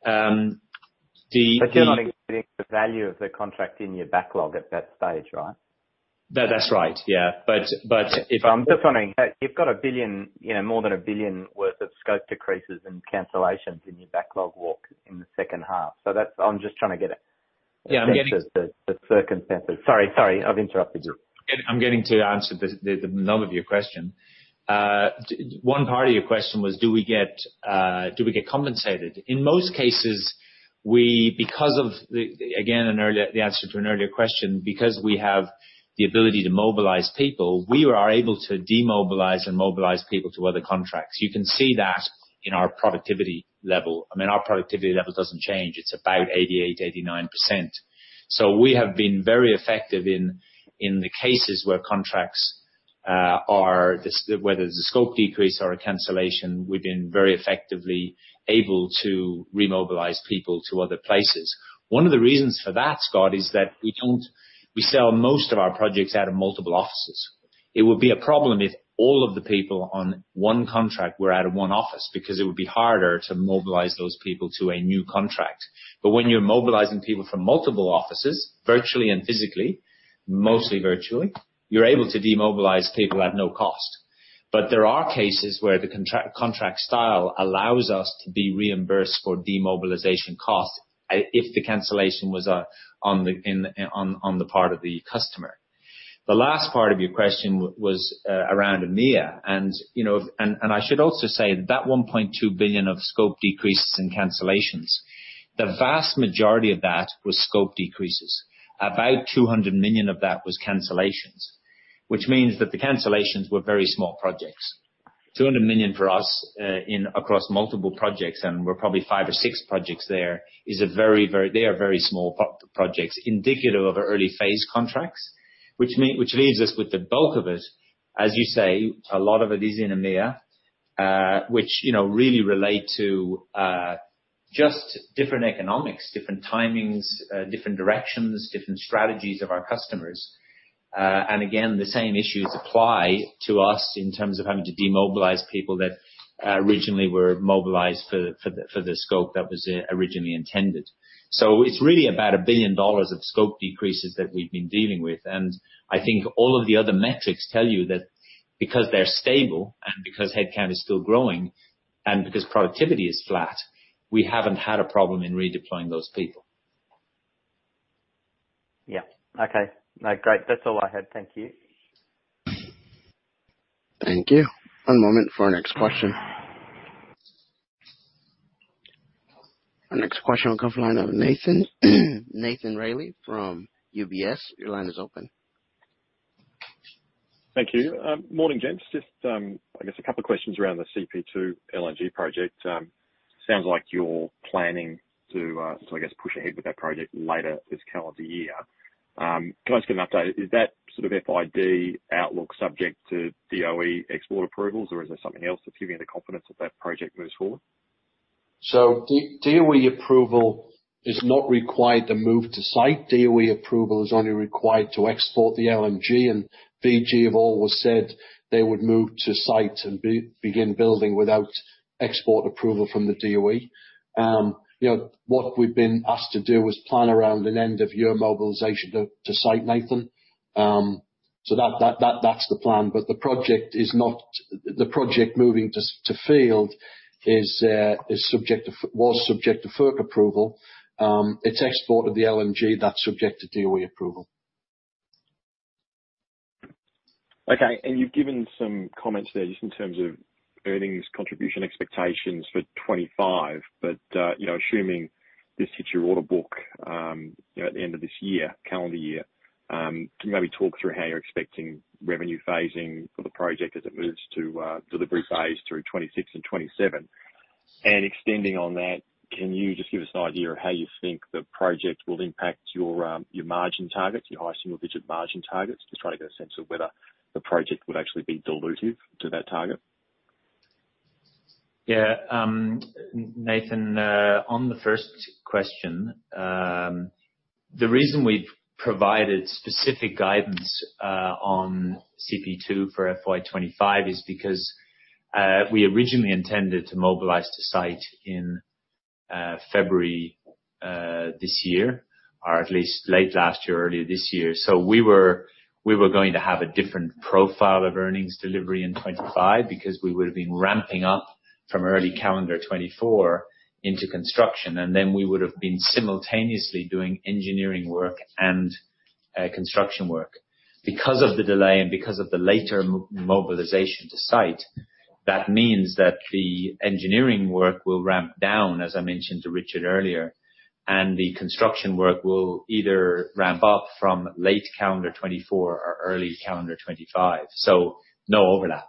The But you're not including the value of the contract in your backlog at that stage, right? That's right. Yeah. But if- I'm just wondering, you've got 1 billion, you know, more than 1 billion worth of scope decreases and cancellations in your backlog walk in the second half. So that's... I'm just trying to get a- Yeah, I'm getting- Sense of the circumstances. Sorry, I've interrupted you. I'm getting to answer the nub of your question. One part of your question was, do we get compensated? In most cases, we, because of the answer to an earlier question, because we have the ability to mobilize people, we are able to demobilize and mobilize people to other contracts. You can see that in our productivity level. I mean, our productivity level doesn't change. It's about 88%-89%. So, we have been very effective in the cases where contracts are this, whether it's a scope decrease or a cancellation, we've been very effectively able to remobilize people to other places. One of the reasons for that, Scott, is that we don't. We sell most of our projects out of multiple offices. It would be a problem if all of the people on one contract were out of one office, because it would be harder to mobilize those people to a new contract. But when you're mobilizing people from multiple offices, virtually and physically, mostly virtually, you're able to demobilize people at no cost. But there are cases where the contract style allows us to be reimbursed for demobilization costs, if the cancellation was on the part of the customer. The last part of your question was around EMEA, and you know I should also say that that 1.2 billion of scope decreases in cancellations, the vast majority of that was scope decreases. About 200 millions of that was cancellations, which means that the cancellations were very small projects. 200 million for us in across multiple projects, and we're probably five or six projects there, is a very, very. They are very small projects, indicative of early phase contracts, which leaves us with the bulk of it. As you say, a lot of it is in EMEA, which, you know, really relate to just different economics, different timings, different directions, different strategies of our customers. And again, the same issues apply to us in terms of having to demobilize people that originally were mobilized for the scope that was originally intended. So, it's really about 1 billion dollars of scope decreases that we've been dealing with, and I think all of the other metrics tell you that because they're stable and because headcount is still growing and because productivity is flat, we haven't had a problem in redeploying those people. Yeah. Okay. No, great. That's all I had. Thank you. Thank you. One moment for our next question. Our next question will come from the line of Nathan, Nathan Reilly from UBS. Your line is open. Thank you. Morning, James. Just, I guess a couple of questions around the CP2 LNG project. Sounds like you're planning to, so I guess, push ahead with that project later this calendar year. Can I just get an update? Is that sort of FID outlook subject to DOE export approvals, or is there something else that's giving you the confidence that that project moves forward? So, DOE approval is not required to move to site. DOE approval is only required to export the LNG, and VG have always said they would move to site and begin building without export approval from the DOE. You know, what we've been asked to do is plan around an end of year mobilization to site, Nathan. So that's the plan. But the project moving to field was subject to FERC approval. It's export of the LNG that's subject to DOE approval. Okay, and you've given some comments there, just in terms of earnings contribution expectations for 2025. But, you know, assuming this hits your order book, you know, at the end of this year, calendar year, can you maybe talk through how you're expecting revenue phasing for the project as it moves to, delivery phase through 2026 and 2027? And extending on that, can you just give us an idea of how you think the project will impact your, your margin targets, your high single-digit margin targets? Just trying to get a sense of whether the project would actually be dilutive to that target. Yeah. Nathan, on the first question, the reason we've provided specific guidance on CP2 for FY 2025 is because we originally intended to mobilize the site in February this year, or at least late last year, or early this year. So, we were going to have a different profile of earnings delivery in 2025, because we would have been ramping up from early calendar 2024 into construction, and then we would have been simultaneously doing engineering work and construction work. Because of the delay and because of the later mobilization to site, that means that the engineering work will ramp down, as I mentioned to Richard earlier, and the construction work will either ramp up from late calendar 2024 or early calendar 2025. So, no overlap.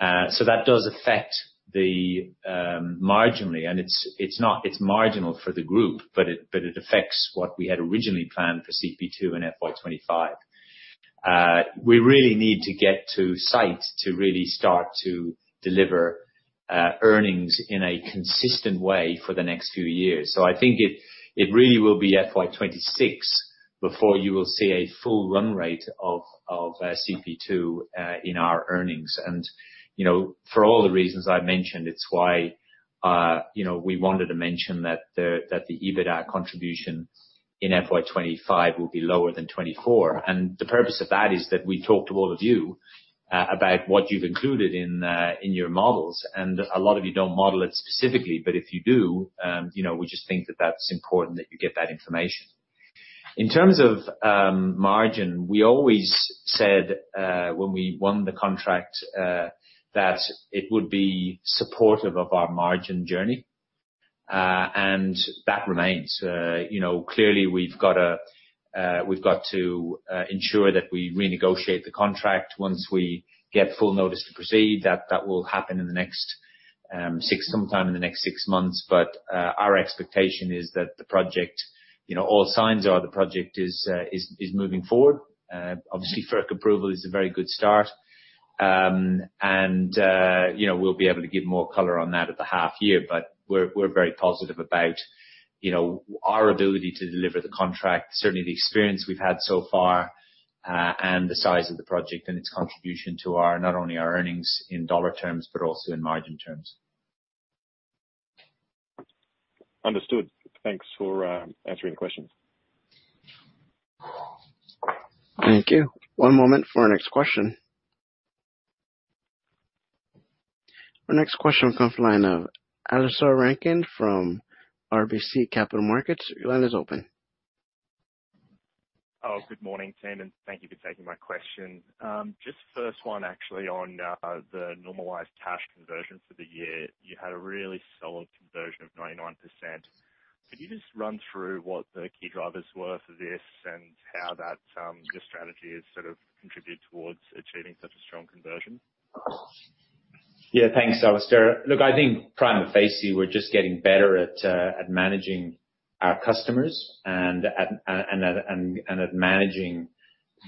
That does affect them marginally, and it's not. It's marginal for the group, but it affects what we had originally planned for CP2 and FY 2025. We really need to get to site to really start to deliver earnings in a consistent way for the next few years. I think it really will be FY 2026 before you will see a full run rate of CP2 in our earnings. You know, for all the reasons I mentioned, it's why you know, we wanted to mention that the EBITA contribution in FY 2025 will be lower than 2024. The purpose of that is that we talk to all of you about what you've included in your models, and a lot of you don't model it specifically, but if you do, you know, we just think that that's important that you get that information. In terms of margin, we always said when we won the contract that it would be supportive of our margin journey, and that remains. You know, clearly, we've got to ensure that we renegotiate the contract once we get full notice to proceed. That will happen sometime in the next six months. Our expectation is that the project, you know, all signs are the project is moving forward. Obviously, FERC approval is a very good start. You know, we'll be able to give more color on that at the half year, but we're very positive about, you know, our ability to deliver the contract, certainly the experience we've had so far, and the size of the project and its contribution to our not only our earnings in dollar terms, but also in margin terms. Understood. Thanks for answering the question. Thank you. One moment for our next question. Our next question comes from the line of Alistair Rankin from RBC Capital Markets. Your line is open. Oh, good morning, team, and thank you for taking my question. Just first one, actually, on the normalized cash conversion for the year. You had a really solid conversion of 99%. Can you just run through what the key drivers were for this, and how that your strategy has sort of contributed towards achieving such a strong conversion? Yeah, thanks, Alistair. Look, I think prima facie, we're just getting better at managing our customers and at managing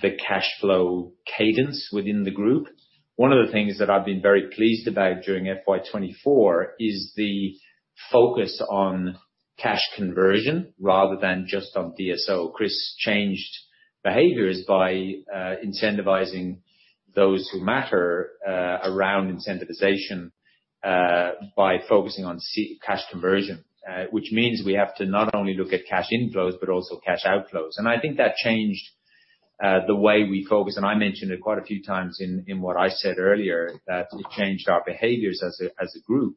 the cash flow cadence within the group. One of the things that I've been very pleased about during FY 2024 is the focus on cash conversion, rather than just on DSO. Chris changed behaviors by incentivizing those who matter around incentivization by focusing on cash conversion, which means we have to not only look at cash inflows, but also cash outflows. And I think that changed the way we focus, and I mentioned it quite a few times in what I said earlier, that it changed our behaviors as a group.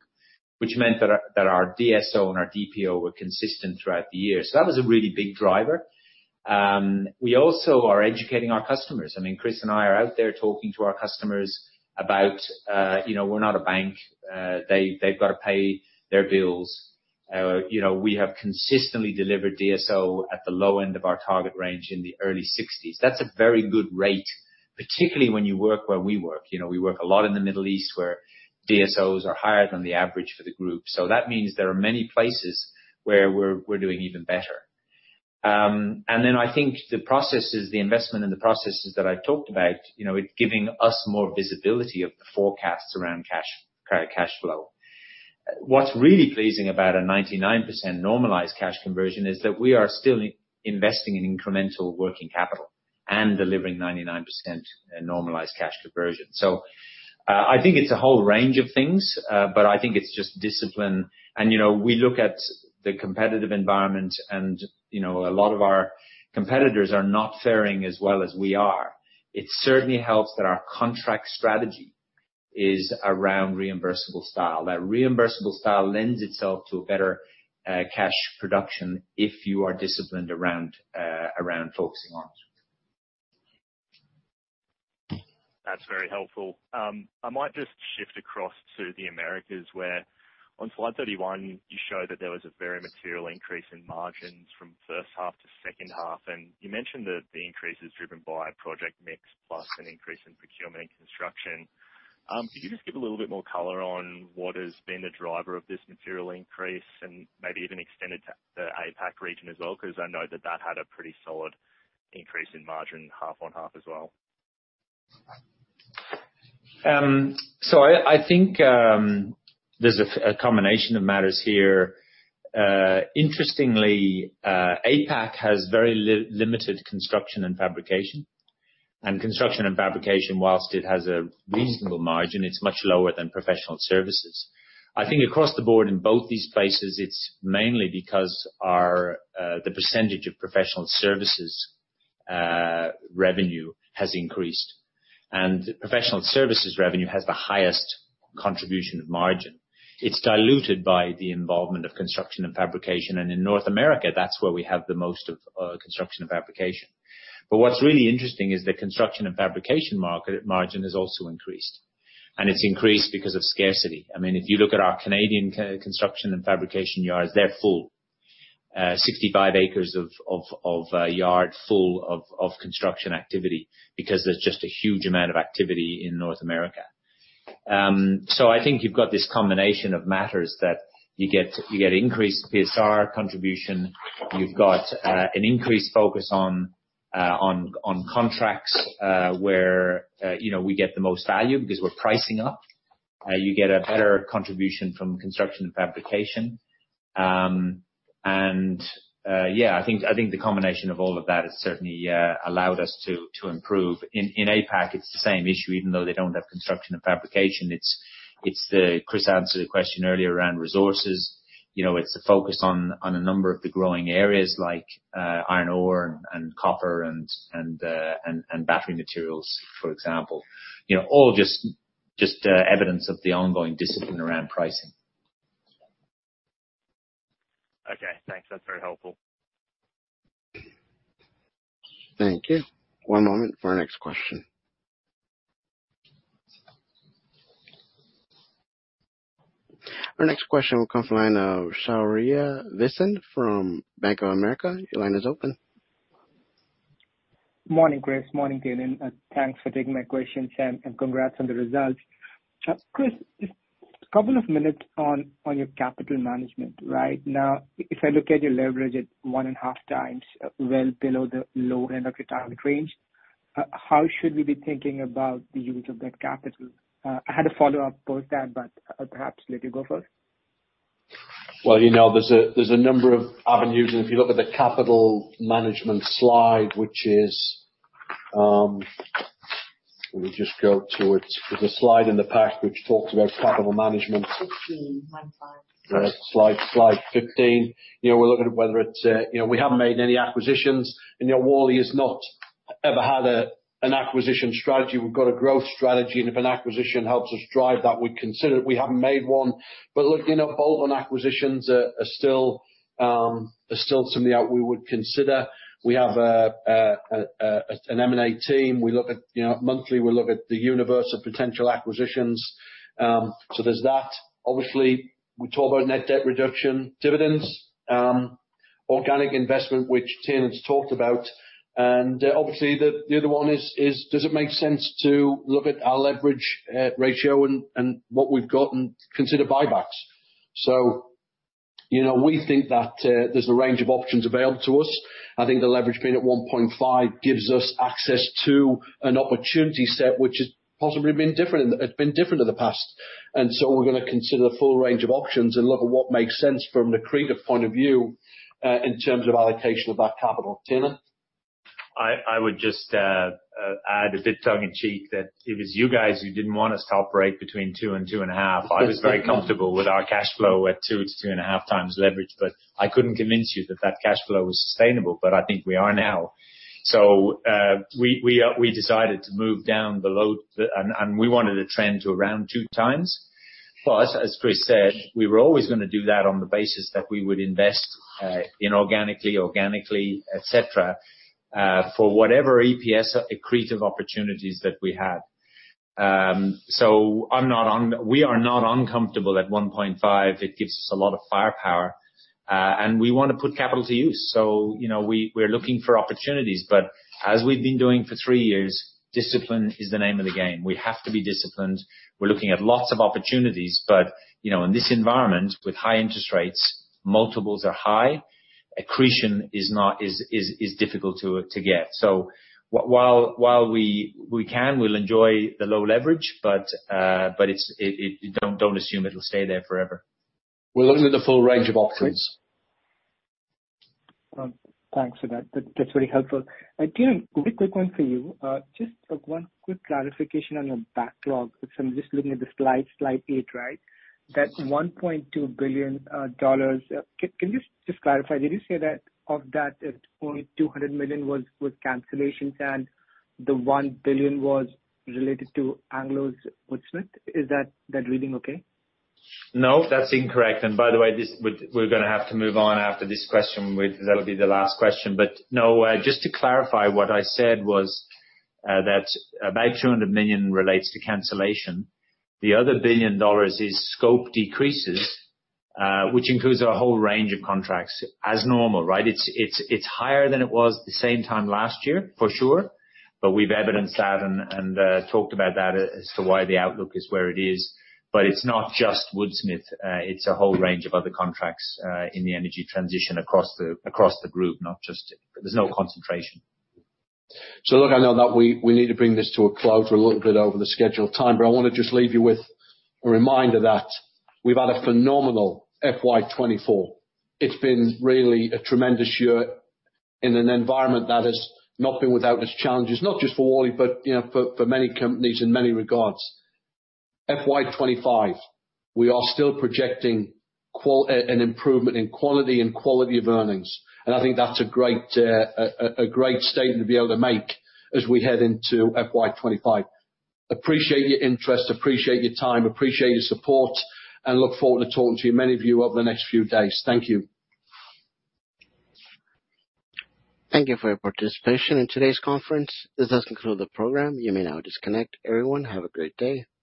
Which meant that our DSO and our DPO were consistent throughout the year. So that was a really big driver. We also are educating our customers. I mean, Chris and I are out there talking to our customers about, you know, we're not a bank. They, they've got to pay their bills. You know, we have consistently delivered DSO at the low end of our target range in the early sixties. That's a very good rate, particularly when you work where we work. You know, we work a lot in the Middle East, where DSOs are higher than the average for the group. So that means there are many places where we're doing even better. And then I think the processes, the investment and the processes that I've talked about, you know, it's giving us more visibility of the forecasts around cash, cash flow. What's really pleasing about 99% normalized cash conversion is that we are still investing in incremental working capital and delivering 99% in normalized cash conversion, so I think it's a whole range of things, but I think it's just discipline, and you know, we look at the competitive environment, and you know, a lot of our competitors are not faring as well as we are. It certainly helps that our contract strategy is around reimbursable style. That reimbursable style lends itself to a better cash production if you are disciplined around focusing on it. That's very helpful. I might just shift across to the Americas, where on slide 31, you show that there was a very material increase in margins from first half to second half, and you mentioned that the increase is driven by project mix, plus an increase in procurement and construction. Could you just give a little bit more color on what has been the driver of this material increase, and maybe even extend it to the APAC region as well? Because I know that that had a pretty solid increase in margin, half on half as well. So, I think there's a combination of matters here. Interestingly, APAC has very limited construction and fabrication while it has a reasonable margin, it's much lower than professional services. I think across the board, in both these places, it's mainly because the percentage of professional services revenue has increased, and professional services revenue has the highest contribution of margin. It's diluted by the involvement of construction and fabrication, and in North America, that's where we have the most of construction and fabrication. But what's really interesting is the construction and fabrication market margin has also increased, and it's increased because of scarcity. I mean, if you look at our Canadian construction and fabrication yards, they're full. 65 acres of yard full of construction activity because there's just a huge amount of activity in North America. So, I think you've got this combination of matters that you get increased PSR contribution. You've got an increased focus on contracts where you know we get the most value because we're pricing up. You get a better contribution from construction and fabrication. Yeah, I think the combination of all of that has certainly allowed us to improve. In APAC, it's the same issue, even though they don't have construction and fabrication. It's the... Chris answered a question earlier around resources. You know, it's a focus on a number of the growing areas like iron ore and copper and battery materials, for example. You know, all just evidence of the ongoing discipline around pricing. Okay, thanks. That's very helpful. Thank you. One moment for our next question. Our next question will come from the line of Saurabh Viswanathan from Bank of America. Your line is open. Morning, Chris. Morning, Tiernan, and thanks for taking my questions, and congrats on the results. Chris, just a couple of minutes on your capital management, right? Now, if I look at your leverage at one and a half times, well below the low end of your target range, how should we be thinking about the use of that capital? I had a follow-up post that but perhaps let you go first. You know, there's a number of avenues, and if you look at the capital management slide, which is. Let me just go to it. There's a slide in the pack which talks about capital management. 15, 9, 5. Slide 15. You know, we're looking at whether it's, you know, we haven't made any acquisitions, and, you know, Worley has not ever had a, an acquisition strategy. We've got a growth strategy, and if an acquisition helps us drive that, we'd consider it. We haven't made one, but look, you know, bolt-on acquisitions are still something that we would consider. We have an M&A team. We look at, you know, monthly, we look at the universe of potential acquisitions. So, there's that. Obviously, we talk about net debt reduction, dividends, organic investment, which Tiernan's talked about, and, obviously, the other one is: Does it make sense to look at our leverage ratio and what we've got and consider buybacks? So, you know, we think that there's a range of options available to us. I think the leverage being at one point five gives us access to an opportunity set, which has been different in the past. And so, we're gonna consider the full range of options and look at what makes sense from an accretive point of view in terms of allocation of that capital. Tiernan? I would just add a bit tongue in cheek that it was you guys who didn't want us to operate between two and two and a half. I was very comfortable with our cash flow at two to two and a half times leverage, but I couldn't convince you that that cash flow was sustainable, but I think we are now. So, we decided to move down the debt load, and we wanted to trend to around two times. But as Chris said, we were always gonna do that on the basis that we would invest inorganically, organically, et cetera for whatever EPS accretive opportunities that we had. So, we are not uncomfortable at 1.5. It gives us a lot of firepower, and we want to put capital to use, so, you know, we're looking for opportunities, but as we've been doing for three years, discipline is the name of the game. We have to be disciplined. We're looking at lots of opportunities, but, you know, in this environment, with high interest rates, multiples are high, accretion is difficult to get. So, while we can, we'll enjoy the low leverage, but, but it's, it-- don't assume it'll stay there forever. We're looking at the full range of options. Thanks for that. That's very helpful. Kieran, really quick one for you. Just one quick clarification on your backlog. So, I'm just looking at the slide, slide 8, right? That 1.2 billion dollar, can you just clarify, did you say that of that, it only 200 million was cancellations, and the 1 billion was related to Anglo's Woodsmith? Is that reading, okay? No, that's incorrect, and by the way, this, we're gonna have to move on after this question. That'll be the last question. But no, just to clarify, what I said was that about 200 million relates to cancellation. The other 1 billion dollars is scope decreases, which includes a whole range of contracts as normal, right? It's higher than it was the same time last year, for sure, but we've evidenced that and talked about that as to why the outlook is where it is. But it's not just Woodsmith, it's a whole range of other contracts in the energy transition across the group, not just. There's no concentration. So, look, I know that we need to bring this to a close. We're a little bit over the scheduled time, but I wanna just leave you with a reminder that we've had a phenomenal FY 2024. It's been really a tremendous year in an environment that has not been without its challenges, not just for Worley, but, you know, for many companies in many regards. FY 2025, we are still projecting an improvement in quality of earnings, and I think that's a great statement to be able to make as we head into FY 2025. Appreciate your interest, appreciate your time, appreciate your support, and look forward to talking to you, many of you, over the next few days. Thank you. Thank you for your participation in today's conference. This does conclude the program. You may now disconnect. Everyone, have a great day.